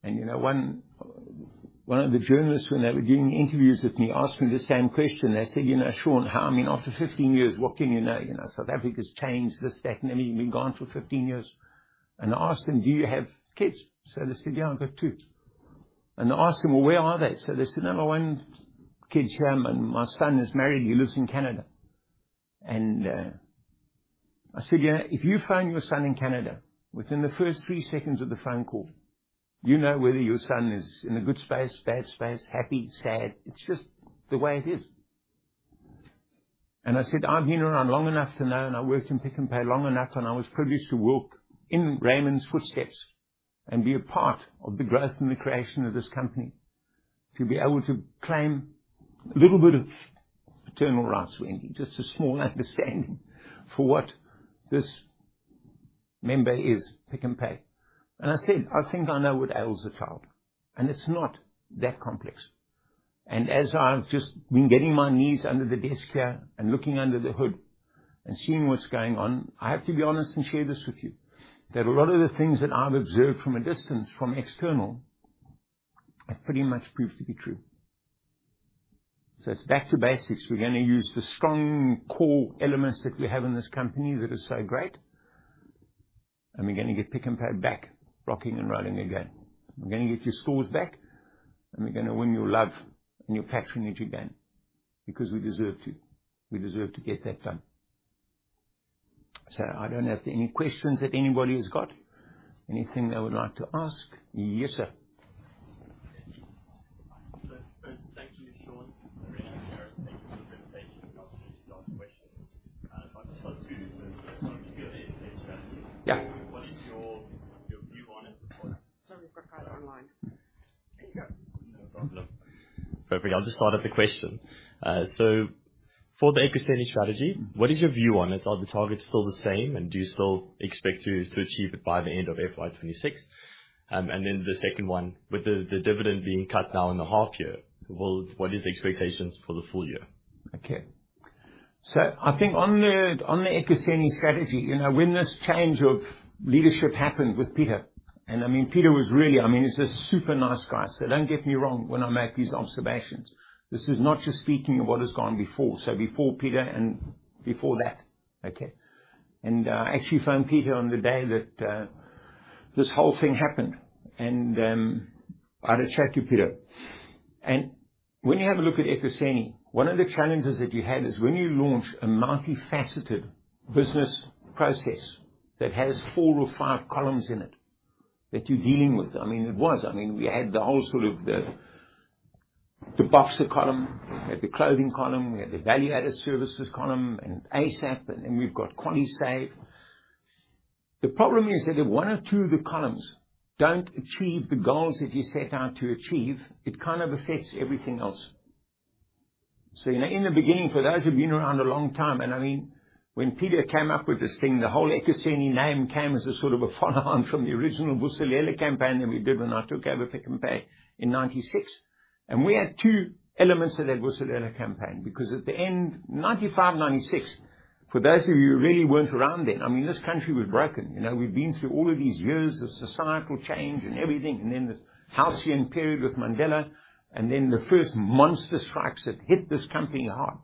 Speaker 3: You know, one of the journalists, when they were doing interviews with me, asked me the same question. They said, "You know, Sean, how, I mean, after 15 years, what can you know? You know, South Africa's changed, this, that, and everything. You've been gone for 15 years." And I asked him, "Do you have kids?" So he said, "Yeah, I've got two." And I asked him, "Well, where are they?" So they said, "Well, one kid's here, and my son is married, and he lives in Canada." And I said, "You know, if you phone your son in Canada, within the first three seconds of the phone call, you know whether your son is in a good space, bad space, happy, sad. It's just the way it is." And I said, "I've been around long enough to know, and I worked in Pick n Pay long enough, and I was privileged to walk in Raymond's footsteps and be a part of the growth and the creation of this company, to be able to claim a little bit of paternal rights with him, just a small understanding for what this member is Pick n Pay. I said, "I think I know what ails the child," and it's not that complex. As I've just been getting my knees under the desk here and looking under the hood and seeing what's going on, I have to be honest and share this with you, that a lot of the things that I've observed from a distance, from external, have pretty much proved to be true. It's back to basics. We're gonna use the strong, core elements that we have in this company that are so great, and we're gonna get Pick n Pay back, rocking and rolling again. We're gonna get your stores back, and we're gonna win your love and your patronage again, because we deserve to. We deserve to get that done. So I don't know if there are any questions that anybody has got, anything they would like to ask? Yes, sir.
Speaker 4: First, thank you, Sean. Thank you for the presentation and the opportunity to ask questions. If I just start.
Speaker 3: Yeah.
Speaker 4: What is your, your view on it? Sorry, we've got Pieter online. There you go. No problem. Perfect. I'll just start with the question. So for the Ekuseni strategy, what is your view on it? Are the targets still the same, and do you still expect to, to achieve it by the end of FY 2026? And then the second one, with the, the dividend being cut now in the half year, well, what is the expectations for the full year?
Speaker 3: Okay. So I think on the, on the Ekuseni strategy, you know, when this change of leadership happened with Pieter, and I mean, Pieter was really... I mean, he's a super nice guy, so don't get me wrong when I make these observations. This is not just speaking of what has gone before, so before Pieter and before that, okay? And, I actually phoned Pieter on the day that, this whole thing happened, and, I had a chat to Pieter. And when you have a look at Ekuseni, one of the challenges that you had is when you launch a multifaceted business process that has four or five columns in it, that you're dealing with. I mean, it was. I mean, we had the whole sort of the, the Boxer column, we had the clothing column, we had the value-added services column, and ASAP, and then we've got QualiSave. The problem is that if one or two of the columns don't achieve the goals that you set out to achieve, it kind of affects everything else. So, you know, in the beginning, for those who've been around a long time, and I mean, when Pieter came up with this thing, the whole Ekuseni name came as a sort of a follow-on from the original Vuselela campaign that we did when I took over Pick n Pay in 1996. And we had two elements of that Vuselela campaign, because at the end, 1995, 1996, for those of you who really weren't around then, I mean, this country was broken. You know, we've been through all of these years of societal change and everything, and then this halcyon period with Mandela, and then the first monster strikes that hit this company hard.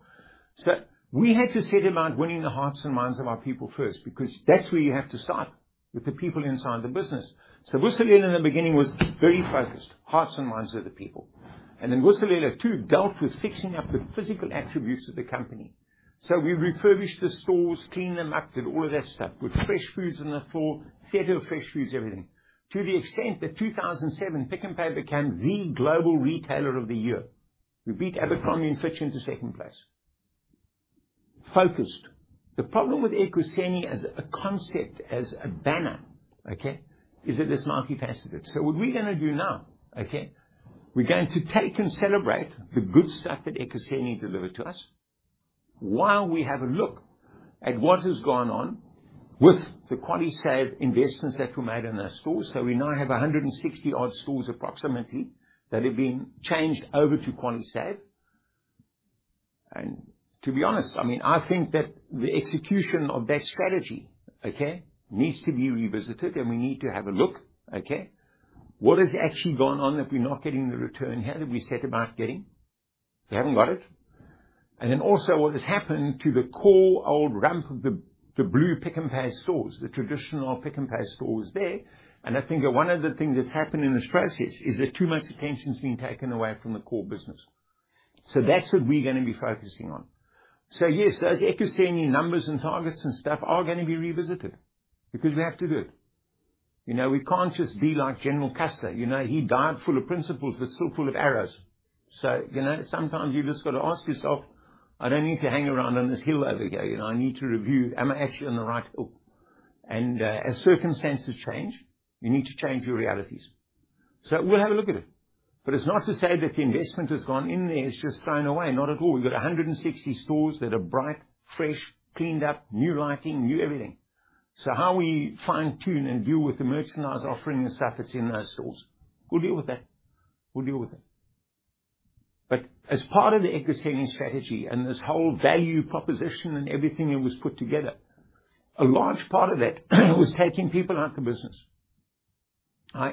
Speaker 3: So we had to set about winning the hearts and minds of our people first, because that's where you have to start, with the people inside the business. So Vuselela, in the beginning, was very focused, hearts and minds of the people. And then Vuselela two dealt with fixing up the physical attributes of the company. So we refurbished the stores, cleaned them up, did all of that stuff, put fresh foods on the floor, theater fresh foods, everything. To the extent that in 2007, Pick n Pay became the global retailer of the year. We beat Abercrombie & Fitch into second place. Focused. The problem with Ekuseni as a concept, as a banner, okay, is that it's multifaceted. So what we're gonna do now, okay, we're going to take and celebrate the good stuff that Ekuseni delivered to us while we have a look at what has gone on with the QualiSave investments that were made in our stores. So we now have 160-odd stores, approximately, that have been changed over to QualiSave. And to be honest, I mean, I think that the execution of that strategy, okay, needs to be revisited, and we need to have a look, okay? What has actually gone on that we're not getting the return we said about getting? We haven't got it. And then also what has happened to the core old range of the blue Pick n Pay stores, the traditional Pick n Pay stores there. I think that one of the things that's happened in this process is that too much attention is being taken away from the core business. That's what we're gonna be focusing on. Yes, those Ekuseni numbers and targets and stuff are gonna be revisited because we have to do it. You know, we can't just be like General Custer, you know, he died full of principles but still full of arrows. You know, sometimes you just got to ask yourself, "I don't need to hang around on this hill over here," you know, "I need to review. Am I actually on the right hill?" As circumstances change, you need to change your realities. We'll have a look at it. But it's not to say that the investment that's gone in there is just thrown away. Not at all. We've got 160 stores that are bright, fresh, cleaned up, new lighting, new everything. So how we fine-tune and deal with the merchandise offering and stuff that's in those stores, we'll deal with that. We'll deal with it. But as part of the Ekuseni strategy and this whole value proposition and everything that was put together, a large part of that was taking people out the business.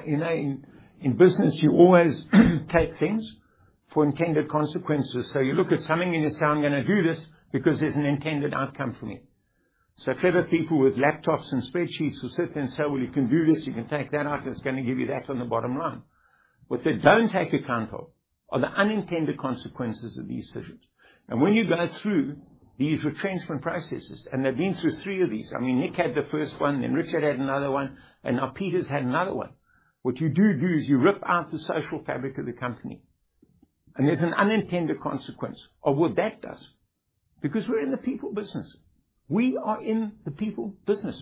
Speaker 3: You know, in business, you always take things for intended consequences. So you look at something and you say, "I'm gonna do this because there's an intended outcome for me." So clever people with laptops and spreadsheets will sit there and say, "Well, you can do this, you can take that out, and it's gonna give you that on the bottom line." What they don't take account of are the unintended consequences of these decisions. When you go through these retrenchment processes, and they've been through three of these, I mean, Nick had the first one, then Richard had another one, and now Pieter's had another one. What you do do is you rip out the social fabric of the company, and there's an unintended consequence of what that does, because we're in the people business. We are in the people business.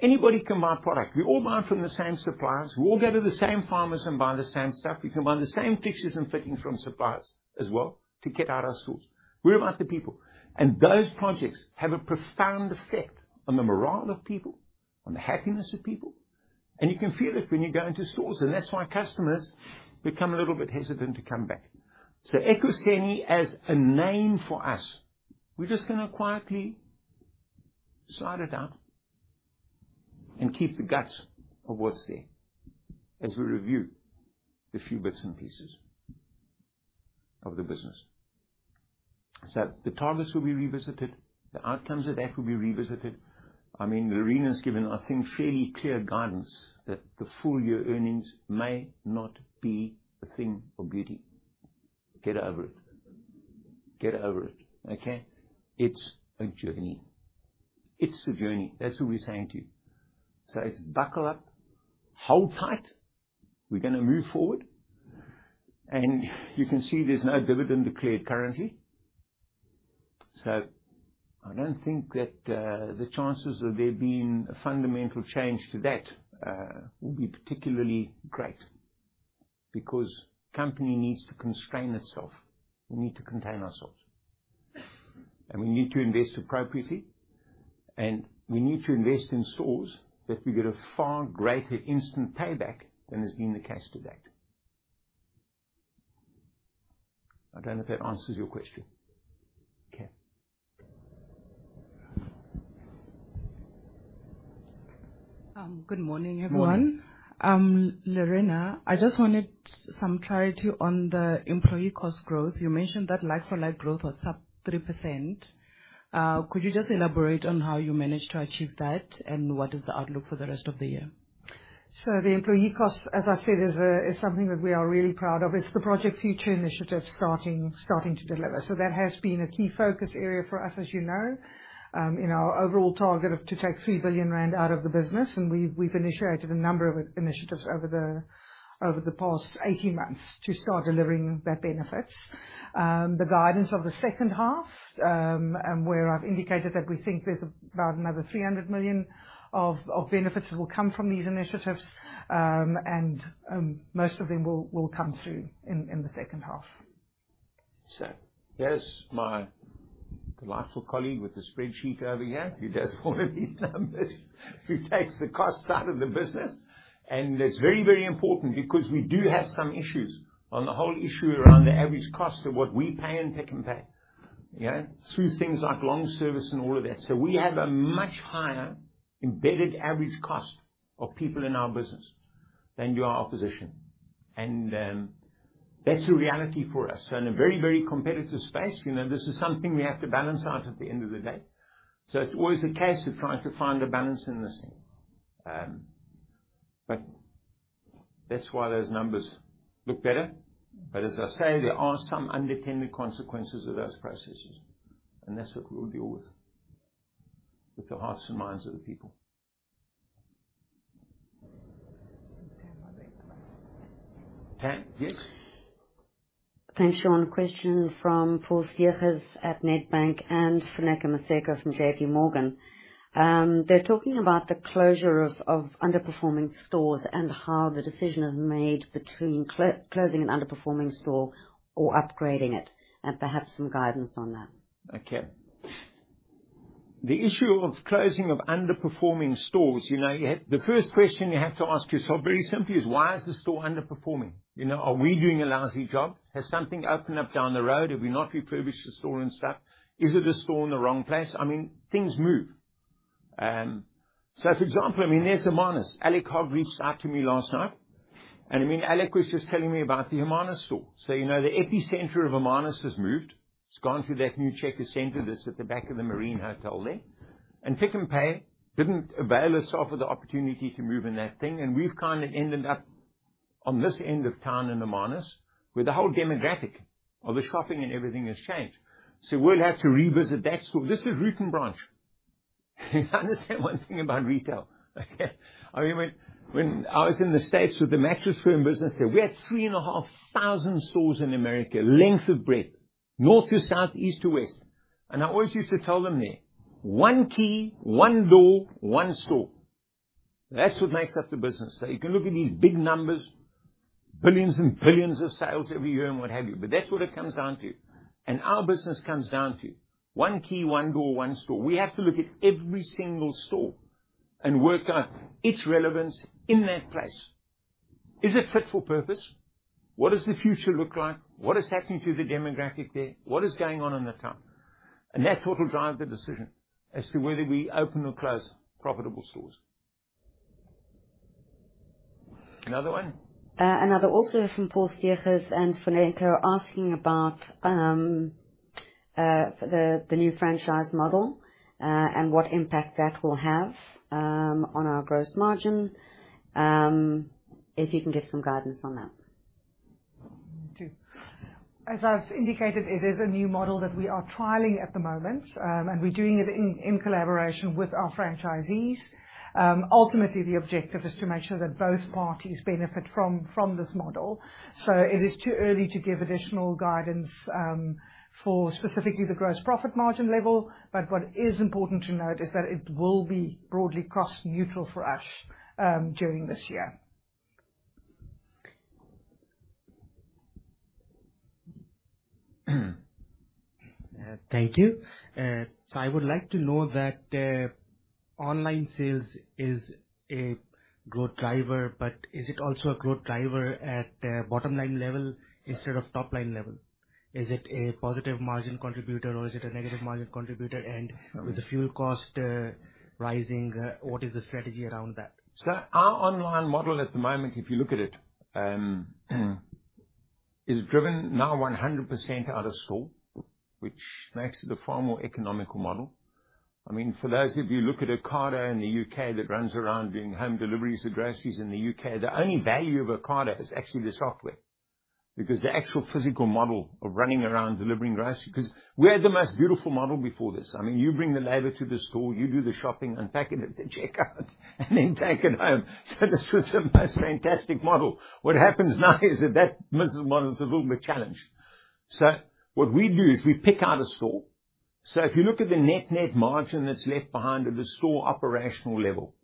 Speaker 3: Anybody can buy product. We all buy from the same suppliers. We all go to the same farmers and buy the same stuff. We can buy the same fixtures and fittings from suppliers as well to kit out our stores. We're about the people, and those projects have a profound effect on the morale of people, on the happiness of people. And you can feel it when you go into stores, and that's why customers become a little bit hesitant to come back. So Ekuseni, as a name for us, we're just gonna quietly slide it out and keep the guts of what's there as we review the few bits and pieces of the business. So the targets will be revisited, the outcomes of that will be revisited. I mean, Lerena has given, I think, fairly clear guidance that the full year earnings may not be a thing of beauty. Get over it. Get over it, okay? It's a journey. It's a journey. That's what we're saying to you. So it's buckle up, hold tight, we're gonna move forward, and you can see there's no dividend declared currently. I don't think that the chances of there being a fundamental change to that will be particularly great, because company needs to constrain itself. We need to contain ourselves, and we need to invest appropriately, and we need to invest in stores that we get a far greater instant payback than has been the case to date. I don't know if that answers your question. Okay.
Speaker 5: Good morning, everyone.
Speaker 3: Morning.
Speaker 5: Lerena, I just wanted some clarity on the employee cost growth. You mentioned that like-for-like growth was up 3%. Could you just elaborate on how you managed to achieve that, and what is the outlook for the rest of the year?
Speaker 2: So the employee cost, as I said, is something that we are really proud of. It's the Project Future initiative starting to deliver. So that has been a key focus area for us, as you know, in our overall target of to take 3 billion rand out of the business, and we've initiated a number of initiatives over the past 18 months to start delivering the benefits. The guidance of the second half, and where I've indicated that we think there's about another 300 million of benefits that will come from these initiatives, and most of them will come through in the second half.
Speaker 3: So there's my delightful colleague with the spreadsheet over here, who does all of these numbers, who takes the cost out of the business. That's very, very important because we do have some issues on the whole issue around the average cost of what we pay in Pick n Pay, you know, through things like long service and all of that. So we have a much higher embedded average cost of people in our business than your opposition, and that's a reality for us. So in a very, very competitive space, you know, this is something we have to balance out at the end of the day. So it's always a case of trying to find a balance in this thing. But that's why those numbers look better. But as I say, there are some unintended consequences of those processes, and that's what we'll deal with, with the hearts and minds of the people. Okay, yes?
Speaker 6: Thanks, Sean. Questions from Paul Steegers at Nedbank and Funeka Maseko from JPMorgan. They're talking about the closure of underperforming stores and how the decision is made between closing an underperforming store or upgrading it, and perhaps some guidance on that.
Speaker 3: Okay. The issue of closing of underperforming stores, you know, you have... The first question you have to ask yourself, very simply, is: Why is the store underperforming? You know, are we doing a lousy job? Has something opened up down the road? Have we not refurbished the store and stuff? Is it a store in the wrong place? I mean, things move. So for example, I mean, there's Amanzimtoti. Alec Hogg reached out to me last night, and, I mean, Alec was just telling me about the Amanzimtoti store. So, you know, the epicenter of Amanzimtoti has moved. It's gone to that new Checkers center that's at the back of the Marine Hotel there. Pick n Pay didn't avail itself of the opportunity to move in that thing, and we've kind of ended up on this end of town in Amanzimtoti, where the whole demographic of the shopping and everything has changed. So we'll have to revisit that store. This is root and branch. If you understand one thing about retail, okay? I mean, when I was in the States with the Mattress Firm business there, we had 3,500 stores in America, length and breadth, north to south, east to west. And I always used to tell them there, "One key, one door, one store." That's what makes up the business. So you can look at these big numbers, billions and billions of sales every year and what have you, but that's what it comes down to. Our business comes down to one key, one door, one store. We have to look at every single store and work out its relevance in that place. Is it fit for purpose? What does the future look like? What is happening to the demographic there? What is going on in the town? And that's what will drive the decision as to whether we open or close profitable stores. Another one?
Speaker 6: Another also from Paul Steegers and Funeka asking about the new franchise model and what impact that will have on our gross margin. If you can give some guidance on that.
Speaker 2: As I've indicated, it is a new model that we are trialing at the moment, and we're doing it in collaboration with our franchisees. Ultimately, the objective is to make sure that both parties benefit from this model, so it is too early to give additional guidance for specifically the gross profit margin level. But what is important to note is that it will be broadly cost neutral for us during this year.
Speaker 7: Thank you. So I would like to know that online sales is a growth driver, but is it also a growth driver at the bottom line level instead of top line level? Is it a positive margin contributor or is it a negative margin contributor? And with the fuel cost rising, what is the strategy around that?
Speaker 3: So our online model at the moment, if you look at it, is driven now 100% out of store, which makes it a far more economical model. I mean, for those of you who look at Ocado in the UK, that runs around doing home deliveries of groceries in the UK, the only value of Ocado is actually the software, because the actual physical model of running around delivering groceries because we had the most beautiful model before this. I mean, you bring the labor to the store, you do the shopping, and pack it at the checkout, and then take it home. So this was the most fantastic model. What happens now is that, that business model is a little bit challenged. So what we do is we pick out a store. So if you look at the net, net margin that's left behind at the store operational level,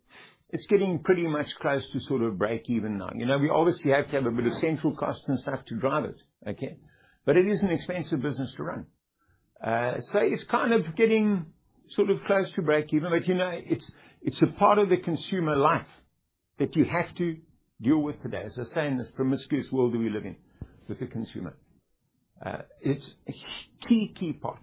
Speaker 3: it's getting pretty much close to sort of break-even now. You know, we obviously have to have a bit of central cost and stuff to drive it, okay? But it is an expensive business to run. So it's kind of getting sort of close to break-even, but, you know, it's, it's a part of the consumer life that you have to deal with today. As I say, in this promiscuous world that we live in, with the consumer, it's a key, key part.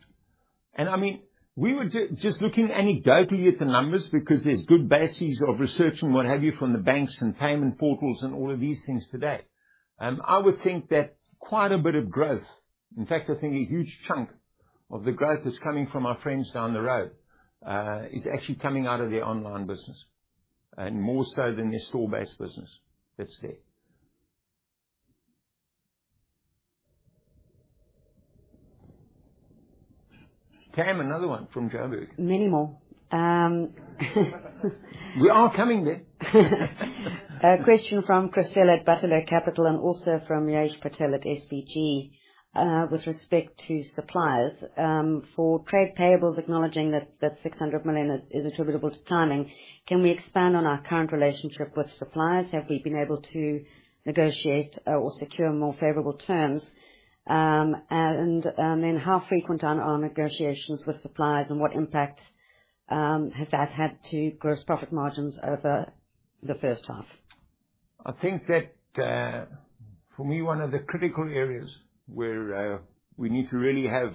Speaker 3: And I mean, we were just looking anecdotally at the numbers, because there's good bases of research and what have you, from the banks and payment portals and all of these things today. I would think that quite a bit of growth, in fact, I think a huge chunk of the growth is coming from our friends down the road, is actually coming out of their online business, and more so than their store-based business that's there. Tam, another one from Johannesburg.
Speaker 6: Many more
Speaker 3: We are coming there.
Speaker 6: Question from Christelle at Bataleur Capital, and also from Rajesh Patel at SBG. With respect to suppliers, for trade payables, acknowledging that the 600 million is attributable to timing, can we expand on our current relationship with suppliers? Have we been able to negotiate, or secure more favorable terms? And, and then how frequent are our negotiations with suppliers, and what impact, has that had to gross profit margins over the first half?
Speaker 3: I think that, for me, one of the critical areas where we need to really have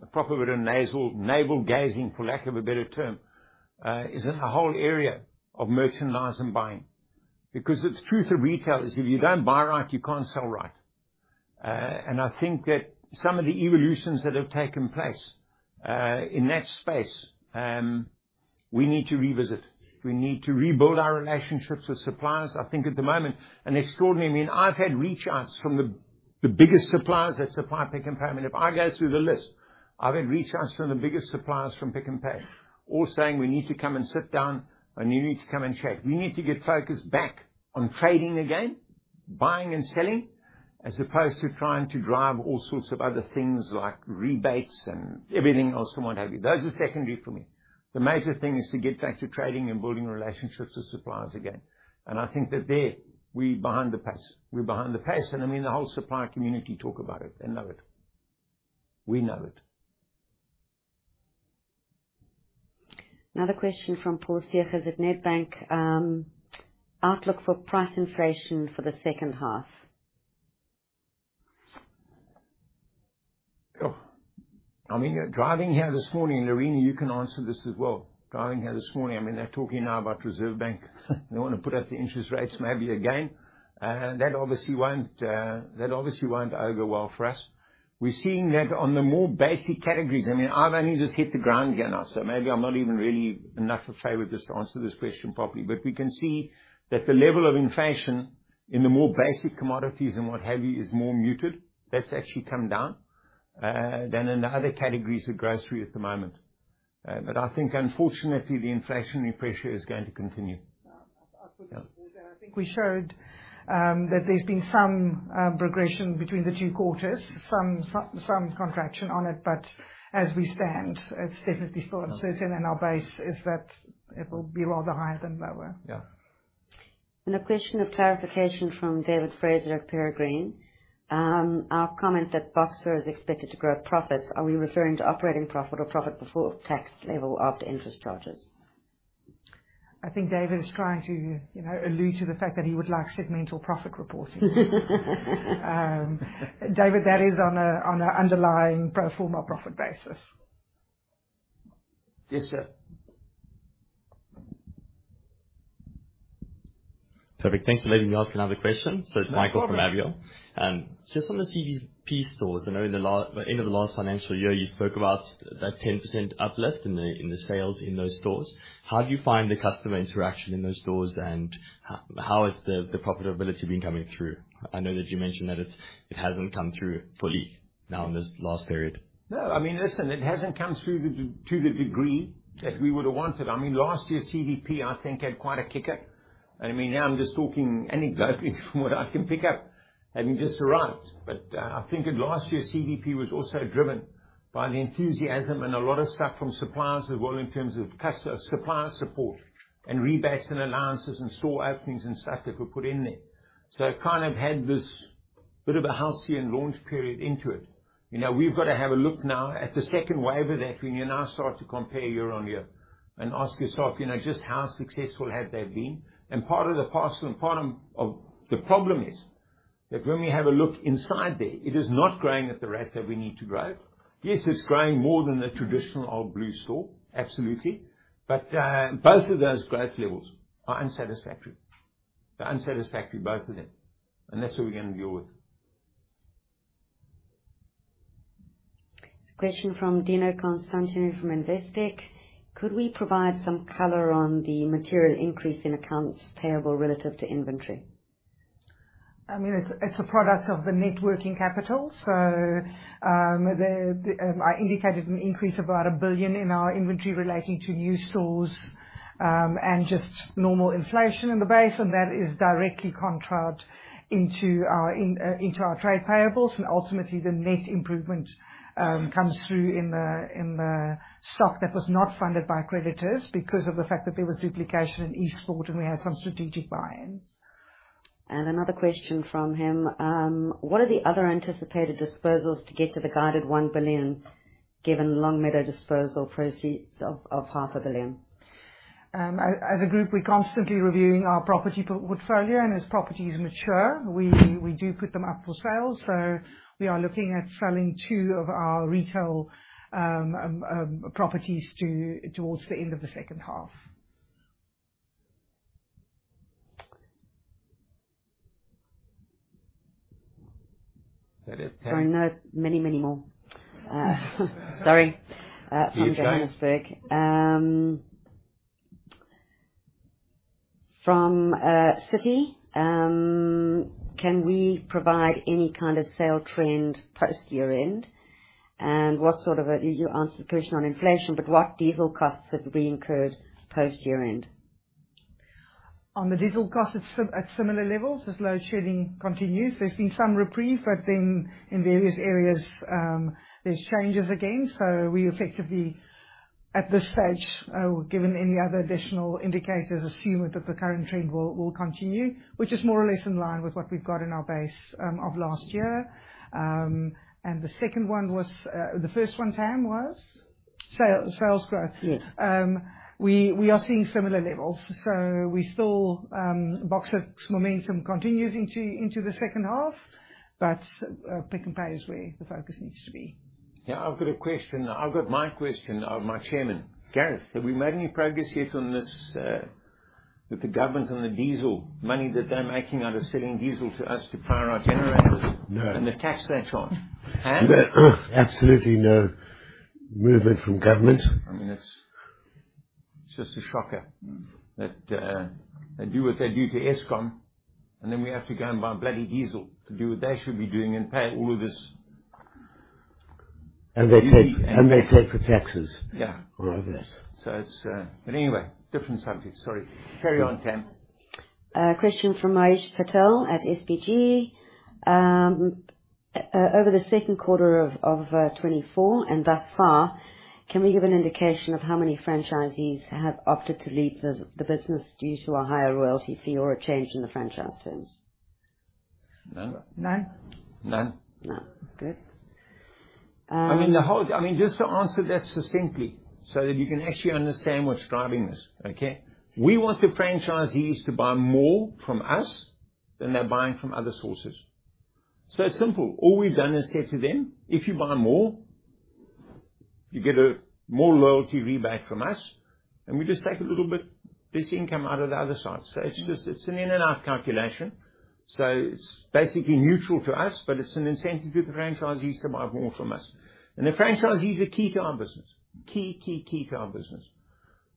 Speaker 3: a proper bit of navel-gazing, for lack of a better term, is in the whole area of merchandise and buying. Because the truth of retail is, if you don't buy right, you can't sell right. And I think that some of the evolutions that have taken place in that space, we need to revisit. We need to rebuild our relationships with suppliers. I think at the moment, an extraordinary. I mean, I've had reach outs from the biggest suppliers that supply Pick n Pay. I mean, if I go through the list, I've had reach outs from the biggest suppliers from Pick n Pay, all saying, "We need to come and sit down, and you need to come and check." We need to get focused back on trading again, buying and selling, as opposed to trying to drive all sorts of other things like rebates and everything else, and what have you. Those are secondary for me. The major thing is to get back to trading and building relationships with suppliers again. And I think that there, we behind the pace. We're behind the pace, and, I mean, the whole supplier community talk about it and know it. We know it.
Speaker 6: Another question from Paul Seerage at Nedbank. Outlook for price inflation for the second half?
Speaker 3: Oh, I mean, driving here this morning, Lerena, you can answer this as well. Driving here this morning, I mean, they're talking now about Reserve Bank. They want to put up the interest rates maybe again. That obviously won't go over well for us. We're seeing that on the more basic categories. I mean, I've only just hit the ground here now, so maybe I'm not even really enough favor just to answer this question properly. But we can see that the level of inflation in the more basic commodities and what have you is more muted. That's actually come down than in the other categories of grocery at the moment. But I think, unfortunately, the inflationary pressure is going to continue.
Speaker 2: I think we showed that there's been some progression between the two quarters, some contraction on it, but as we stand, it's definitely still uncertain, and our base is that it will be rather higher than lower.
Speaker 3: Yeah.
Speaker 6: A question of clarification from David Fraser at Peregrine. Our comment that Boxer is expected to grow profits, are we referring to operating profit or profit before tax level, after interest charges?
Speaker 2: I think David is trying to, you know, allude to the fact that he would like segmental profit reporting. David, that is on a, on an underlying pro forma profit basis.
Speaker 3: Yes, sir.
Speaker 4: Perfect. Thanks for letting me ask another question.
Speaker 3: No problem.
Speaker 4: It's Michael from Avior. Just on the CVP stores, I know in the end of the last financial year, you spoke about that 10% uplift in the sales in those stores. How do you find the customer interaction in those stores, and how is the profitability been coming through? I know that you mentioned that it's. It hasn't come through fully now in this last period.
Speaker 3: No, I mean, listen, it hasn't come through to the, to the degree that we would have wanted. I mean, last year, CVP, I think, had quite a kicker. And I mean, now I'm just talking anecdotally from what I can pick up, having just arrived. But I think that last year, CVP was also driven by the enthusiasm and a lot of stuff from suppliers as well, in terms of supplier support, and rebates, and allowances, and store openings, and stuff that were put in there. So it kind of had this bit of a house here and launch period into it. You know, we've got to have a look now at the second wave of that, when you now start to compare year-on-year and ask yourself, you know, just how successful have they been? Part of the parcel and part of the problem is that when we have a look inside there, it is not growing at the rate that we need to grow. Yes, it's growing more than the traditional old blue store, absolutely. But both of those growth levels are unsatisfactory. They're unsatisfactory, both of them, and that's what we're gonna deal with.
Speaker 6: Question from Dino Constantinou from Investec. Could we provide some color on the material increase in accounts payable relative to inventory?
Speaker 2: I mean, it's a product of the net working capital. So, the I indicated an increase of about 1 billion in our inventory relating to new stores, and just normal inflation in the base, and that is directly contrived into our into our trade payables. And ultimately, the net improvement comes through in the stock that was not funded by creditors because of the fact that there was duplication in Eastport, and we had some strategic buy-ins.
Speaker 6: Another question from him: What are the other anticipated disposals to get to the guided 1 billion, given Longmeadow disposal proceeds of 500 million?
Speaker 2: As a group, we're constantly reviewing our property portfolio, and as properties mature, we do put them up for sale. So we are looking at selling two of our retail properties towards the end of the second half.
Speaker 3: Is that it, Pam?
Speaker 6: Sorry, no. Many, many more. Sorry.
Speaker 3: A few, guys.
Speaker 6: From Johannesburg. From Citi, can we provide any kind of sales trend post-year-end? And you answered the question on inflation, but what diesel costs have we incurred post-year-end?
Speaker 2: On the diesel cost, it's at similar levels as load shedding continues. There's been some reprieve, but then in various areas, there's changes again. So we effectively, at this stage, given any other additional indicators, assume that the current trend will continue, which is more or less in line with what we've got in our base of last year. And the second one was The first one, Pam, was? Sales, sales growth.
Speaker 3: Yes.
Speaker 2: We are seeing similar levels, so we still, Boxer's momentum continues into the second half, but Pick n Pay is where the focus needs to be.
Speaker 3: Yeah, I've got a question. I've got my question of my chairman.
Speaker 6: Gareth.
Speaker 3: Have we made any progress yet on this, with the government on the diesel money that they're making out of selling diesel to us to power our generators?
Speaker 4: No.
Speaker 3: and the tax they charge? And
Speaker 4: Absolutely no movement from government.
Speaker 3: I mean, it's, it's just a shocker that they do what they do to Eskom, and then we have to go and buy bloody diesel to do what they should be doing and pay all of this-
Speaker 4: They take, and they take the taxes
Speaker 3: Yeah.
Speaker 4: on top of this.
Speaker 3: But anyway, different subject. Sorry. Carry on, Pam.
Speaker 6: Question from Mahesh Patel at SBG. Over the second quarter of 2024 and thus far, can we give an indication of how many franchisees have opted to leave the business due to a higher royalty fee or a change in the franchise fees?
Speaker 3: None.
Speaker 2: None.
Speaker 3: None.
Speaker 6: None. Good.
Speaker 3: I mean, the whole I mean, just to answer that succinctly, so that you can actually understand what's driving this, okay? We want the franchisees to buy more from us than they're buying from other sources. It's that simple. All we've done is say to them: "If you buy more, you get a more loyalty rebate from us," and we just take a little bit of this income out of the other side. So it's just, it's an in-and-out calculation. So it's basically neutral to us, but it's an incentive to the franchisees to buy more from us. And the franchisees are key to our business. Key, key, key to our business.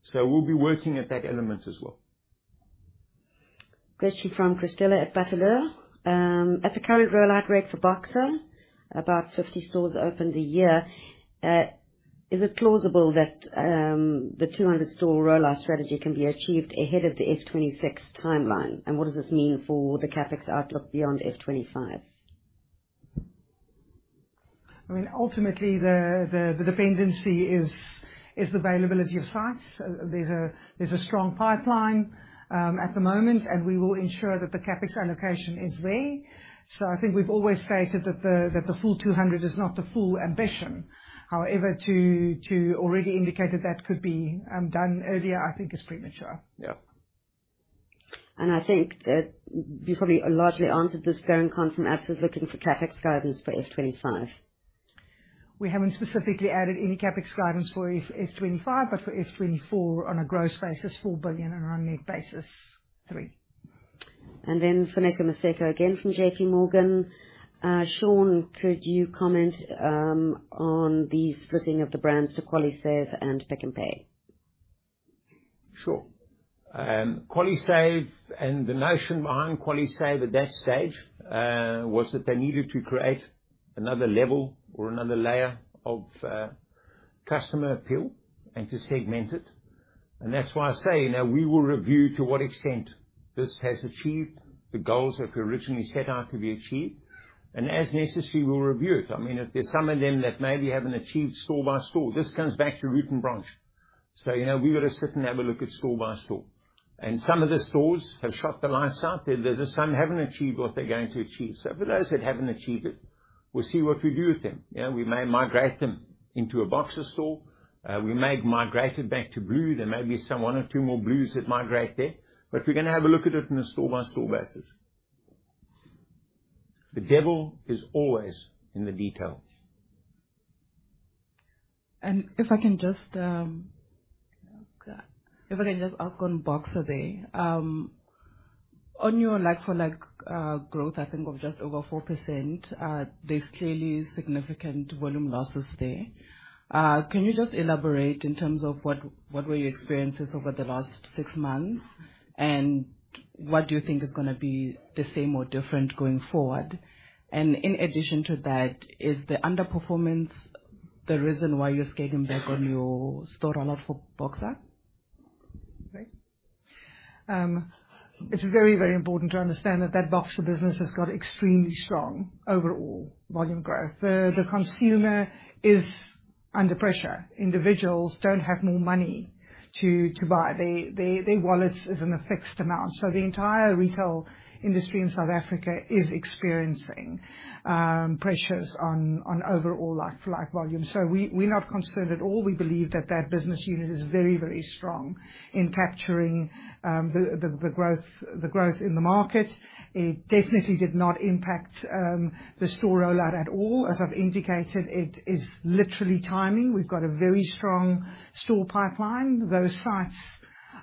Speaker 3: So we'll be working at that element as well.
Speaker 6: Question from Christelle at Bataleur. At the current rollout rate for Boxer, about 50 stores opened a year, is it plausible that the 200-store rollout strategy can be achieved ahead of the FY 2026 timeline? And what does this mean for the CapEx outlook beyond FY 2025?
Speaker 2: I mean, ultimately, the dependency is the availability of sites. There's a strong pipeline at the moment, and we will ensure that the CapEx allocation is there. So I think we've always stated that the full 200 is not the full ambition. However, to already indicate that that could be done earlier, I think is premature.
Speaker 3: Yeah.
Speaker 6: I think that you probably largely answered this, going on from analysts looking for CapEx guidance for FY 2025.
Speaker 2: We haven't specifically added any CapEx guidance for FY 2025, but for FY 2024, on a gross basis, 4 billion, and on a net basis, 3 billion.
Speaker 6: And then Funeka Maseko, again, from JPMorgan. Sean, could you comment on the splitting of the brands to QualiSave and Pick n Pay?
Speaker 3: Sure. QualiSave, and the notion behind QualiSave at that stage was that they needed to create another level or another layer of customer appeal and to segment it. And that's why I say, you know, we will review to what extent this has achieved the goals that we originally set out to be achieved, and as necessary, we'll review it. I mean, if there's some of them that maybe haven't achieved store by store, this comes back to root and branch. So, you know, we've got to sit and have a look at store by store, and some of the stores have shut the lights out, and there's some haven't achieved what they're going to achieve. So for those that haven't achieved it, we'll see what we do with them. Yeah, we may migrate them into a Boxer store. We may migrate it back to Blue. There may be some one or two more Blues that migrate there, but we're gonna have a look at it in a store-by-store basis. The devil is always in the details.
Speaker 5: If I can just ask on Boxer there. On your like-for-like growth, I think of just over 4%, there's clearly significant volume losses there. Can you just elaborate in terms of what were your experiences over the last six months, and what do you think is gonna be the same or different going forward? In addition to that, is the underperformance the reason why you're scaling back on your store roll out for Boxer?
Speaker 2: It's very, very important to understand that that Boxer business has got extremely strong overall volume growth. The consumer is under pressure. Individuals don't have more money to buy. They, their wallets is in a fixed amount, so the entire retail industry in South Africa is experiencing pressures on overall like-for-like volume. So we're not concerned at all. We believe that that business unit is very, very strong in capturing the growth in the market. It definitely did not impact the store rollout at all. As I've indicated, it is literally timing. We've got a very strong store pipeline. Those sites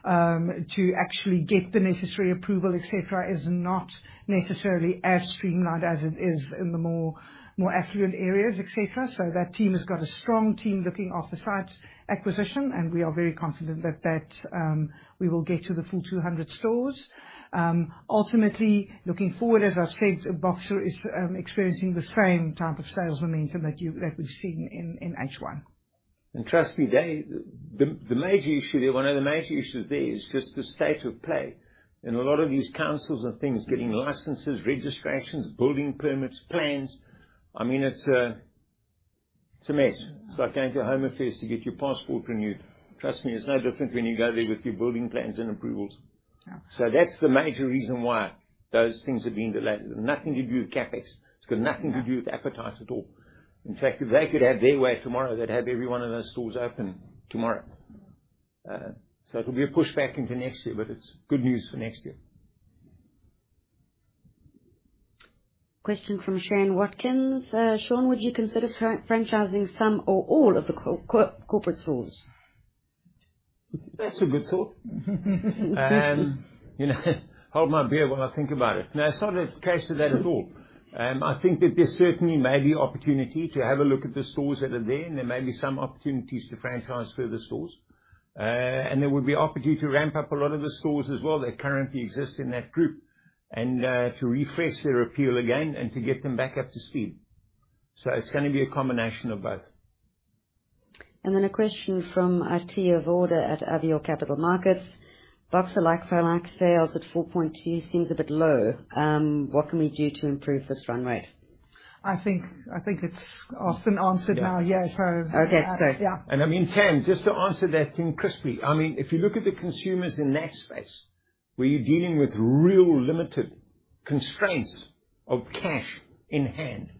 Speaker 2: to actually get the necessary approval, et cetera, is not necessarily as streamlined as it is in the more affluent areas, et cetera. So that team has got a strong team looking after sites acquisition, and we are very confident that we will get to the full 200 stores. Ultimately, looking forward, as I've said, Boxer is experiencing the same type of sales momentum that we've seen in H1.
Speaker 3: Trust me, they, the major issue there, one of the major issues there is just the state of play. In a lot of these councils and things, getting licenses, registrations, building permits, plans, I mean, it's a mess. It's like going to Home Affairs to get your passport renewed. Trust me, it's no different when you go there with your building plans and approvals.
Speaker 2: Yeah.
Speaker 3: So that's the major reason why those things have been delayed. Nothing to do with CapEx. It's got nothing to do with appetite at all. In fact, if they could have their way tomorrow, they'd have every one of those stores open tomorrow. So it'll be a pushback into next year, but it's good news for next year.
Speaker 6: Question from Sharon Watkins. Sean, would you consider franchising some or all of the corporate stores?
Speaker 3: That's a good thought. You know, hold my beer while I think about it. No, it's not a case of that at all. I think that there certainly may be opportunity to have a look at the stores that are there, and there may be some opportunities to franchise further stores. And there would be opportunity to ramp up a lot of the stores as well, that currently exist in that group, and to refresh their appeal again and to get them back up to speed. So it's gonna be a combination of both.
Speaker 6: A question from Atiya Vorda, at Avior Capital Markets. Boxer like-for-like sales at 4.2 seems a bit low. What can we do to improve this run rate?
Speaker 2: I think, I think it's asked and answered now.
Speaker 3: Yeah.
Speaker 2: Yeah, so-
Speaker 6: Okay, so-
Speaker 2: Yeah.
Speaker 3: And I mean, Tam, just to answer that thing crisply, I mean, if you look at the consumers in that space, where you're dealing with real limited constraints of cash in hand,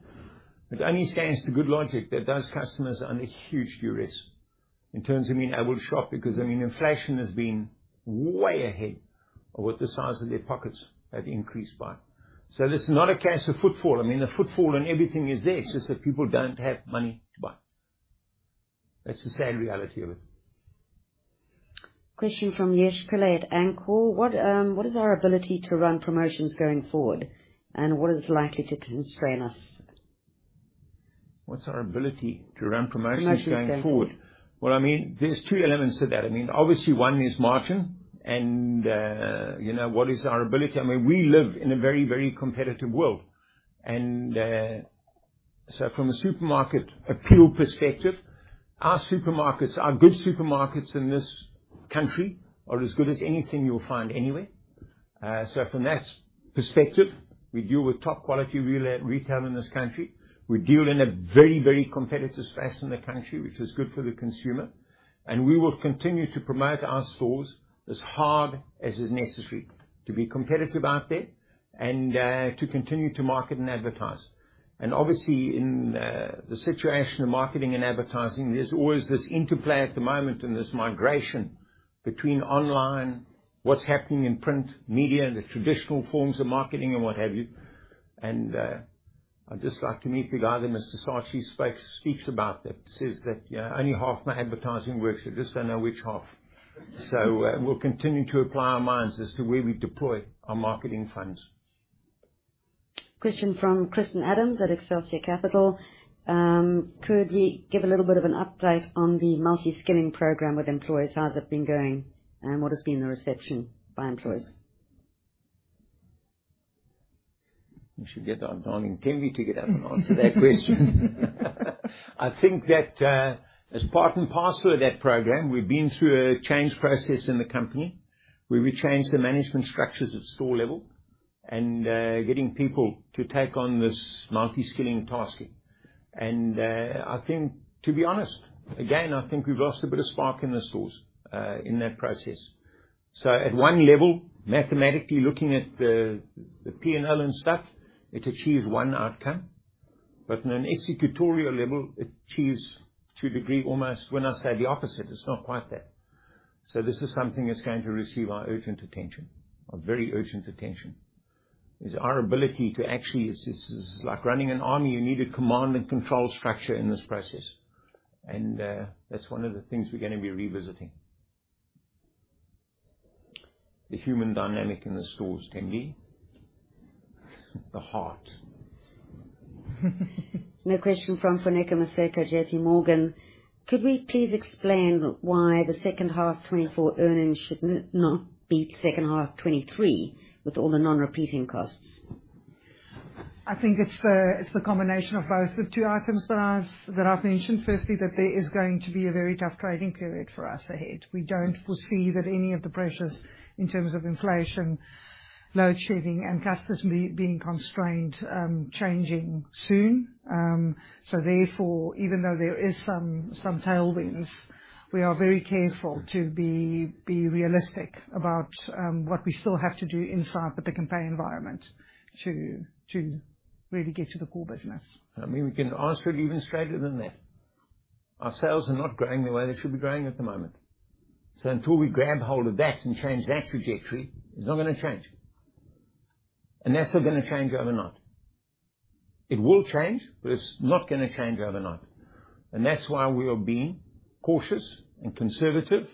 Speaker 3: it only stands to good logic that those customers are under huge duress in terms of being able to shop, because, I mean, inflation has been way ahead of what the size of their pockets have increased by. So this is not a case of footfall. I mean, the footfall and everything is there, it's just that people don't have money to buy. That's the sad reality of it.
Speaker 6: Question from Yash Patel, Anchor: What, what is our ability to run promotions going forward, and what is likely to constrain us?
Speaker 3: What's our ability to run promotions going forward?
Speaker 6: Promotions going forward.
Speaker 3: Well, I mean, there's two elements to that. I mean, obviously one is margin and, you know, what is our ability? I mean, we live in a very, very competitive world. And, so from a supermarket appeal perspective, our supermarkets are good supermarkets in this country, are as good as anything you'll find anywhere. So from that perspective, we deal with top quality retail in this country. We deal in a very, very competitive space in the country, which is good for the consumer, and we will continue to promote our stores as hard as is necessary to be competitive out there and, to continue to market and advertise. And obviously in the situation of marketing and advertising, there's always this interplay at the moment and this migration between online, what's happening in print, media, and the traditional forms of marketing and what have you. And I'd just like to meet the guy that Mr. Saatchi spoke, speaks about that, says that, "Yeah, only half my advertising works, I just don't know which half." So we'll continue to apply our minds as to where we deploy our marketing funds.
Speaker 6: Question from Kristen Adams at Excelsia Capital. Could you give a little bit of an update on the multi-skilling program with employees? How has it been going, and what has been the reception by employees?
Speaker 3: You should get our darling Thembi to get up and answer that question. I think that, as part and parcel of that program, we've been through a change process in the company, where we changed the management structures at store level and, getting people to take on this multi-skilling tasking. I think, to be honest, again, I think we've lost a bit of spark in the stores, in that process. So at one level, mathematically, looking at the P&L and stuff, it achieved one outcome, but on an executorial level, it achieves, to a degree, almost when I say the opposite, it's not quite that. So this is something that's going to receive our urgent attention, our very urgent attention. Is our ability to actually this is like running an army. You need a command and control structure in this process, and, that's one of the things we're gonna be revisiting. The human dynamic in the stores, Tammy. The heart.
Speaker 6: Now, a question from Foneka Moseka, JPMorgan. Could we please explain why the second half 2024 earnings should not beat second half 2023 with all the non-repeating costs?
Speaker 2: I think it's the combination of both the two items that I've mentioned. Firstly, that there is going to be a very tough trading period for us ahead. We don't foresee that any of the pressures in terms of inflation, load shedding, and customers being constrained changing soon. So therefore, even though there is some tailwinds, we are very careful to be realistic about what we still have to do inside the Pick n Pay environment to really get to the core business.
Speaker 3: I mean, we can answer it even straighter than that. Our sales are not growing the way they should be growing at the moment, so until we grab hold of that and change that trajectory, it's not gonna change. And that's not gonna change overnight. It will change, but it's not gonna change overnight, and that's why we are being cautious and conservative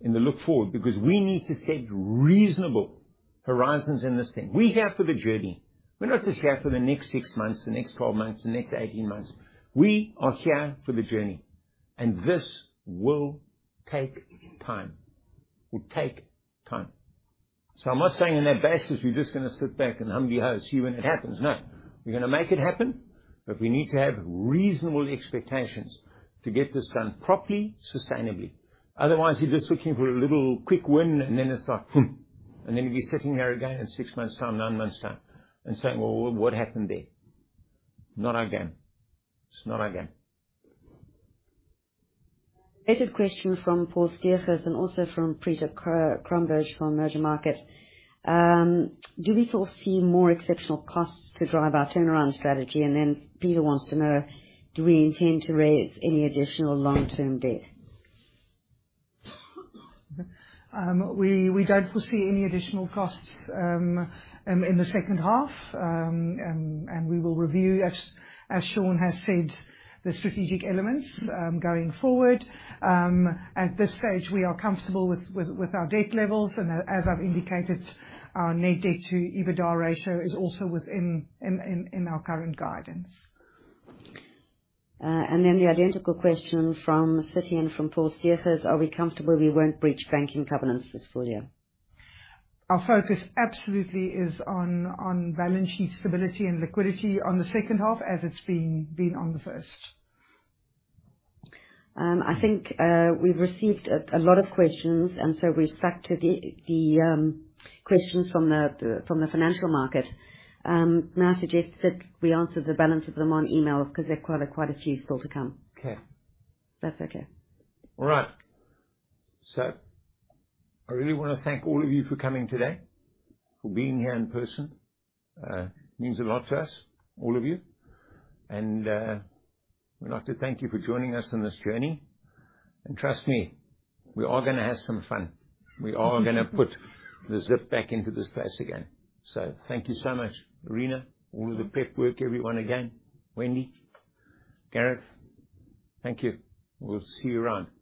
Speaker 3: in the look forward, because we need to set reasonable horizons in this thing. We're here for the journey. We're not just here for the next six months, the next 12 months, the next 18 months. We are here for the journey, and this will take time. It will take time. So I'm not saying in that basis, we're just gonna sit back and hum thee ho, see you when it happens. No, we're gonna make it happen, but we need to have reasonable expectations to get this done properly, sustainably. Otherwise, you're just looking for a little quick win, and then it's like, hmm, and then you'll be sitting here again in six months' time, nine months' time, and saying, "Well, what happened there?" Not our game. It's not our game.
Speaker 6: Question from Paul Stiesus and also from Pieter Cromberg from Emerging Markets. Do we foresee more exceptional costs to drive our turnaround strategy? And then Pieter wants to know: Do we intend to raise any additional long-term debt?
Speaker 2: We don't foresee any additional costs in the second half, and we will review, as Sean has said, the strategic elements going forward. At this stage, we are comfortable with our debt levels, and as I've indicated, our net debt to EBITDA ratio is also within our current guidance.
Speaker 6: Then the identical question from Citi and from Paul Stiesus: Are we comfortable we won't breach banking covenants this full year?
Speaker 2: Our focus absolutely is on balance sheet stability and liquidity on the second half, as it's been on the first.
Speaker 6: I think, we've received a lot of questions, and so we've sucked the questions from the financial market. May I suggest that we answer the balance of them on email because there are quite a few still to come.
Speaker 3: Okay.
Speaker 6: That's okay.
Speaker 3: All right. So I really want to thank all of you for coming today, for being here in person. It means a lot to us, all of you, and we'd like to thank you for joining us on this journey. And trust me, we are gonna have some fun. We are gonna put the zip back into this place again. So thank you so much. Lerena, all of the prep work, everyone again, Wendy, Gareth, thank you. We'll see you around.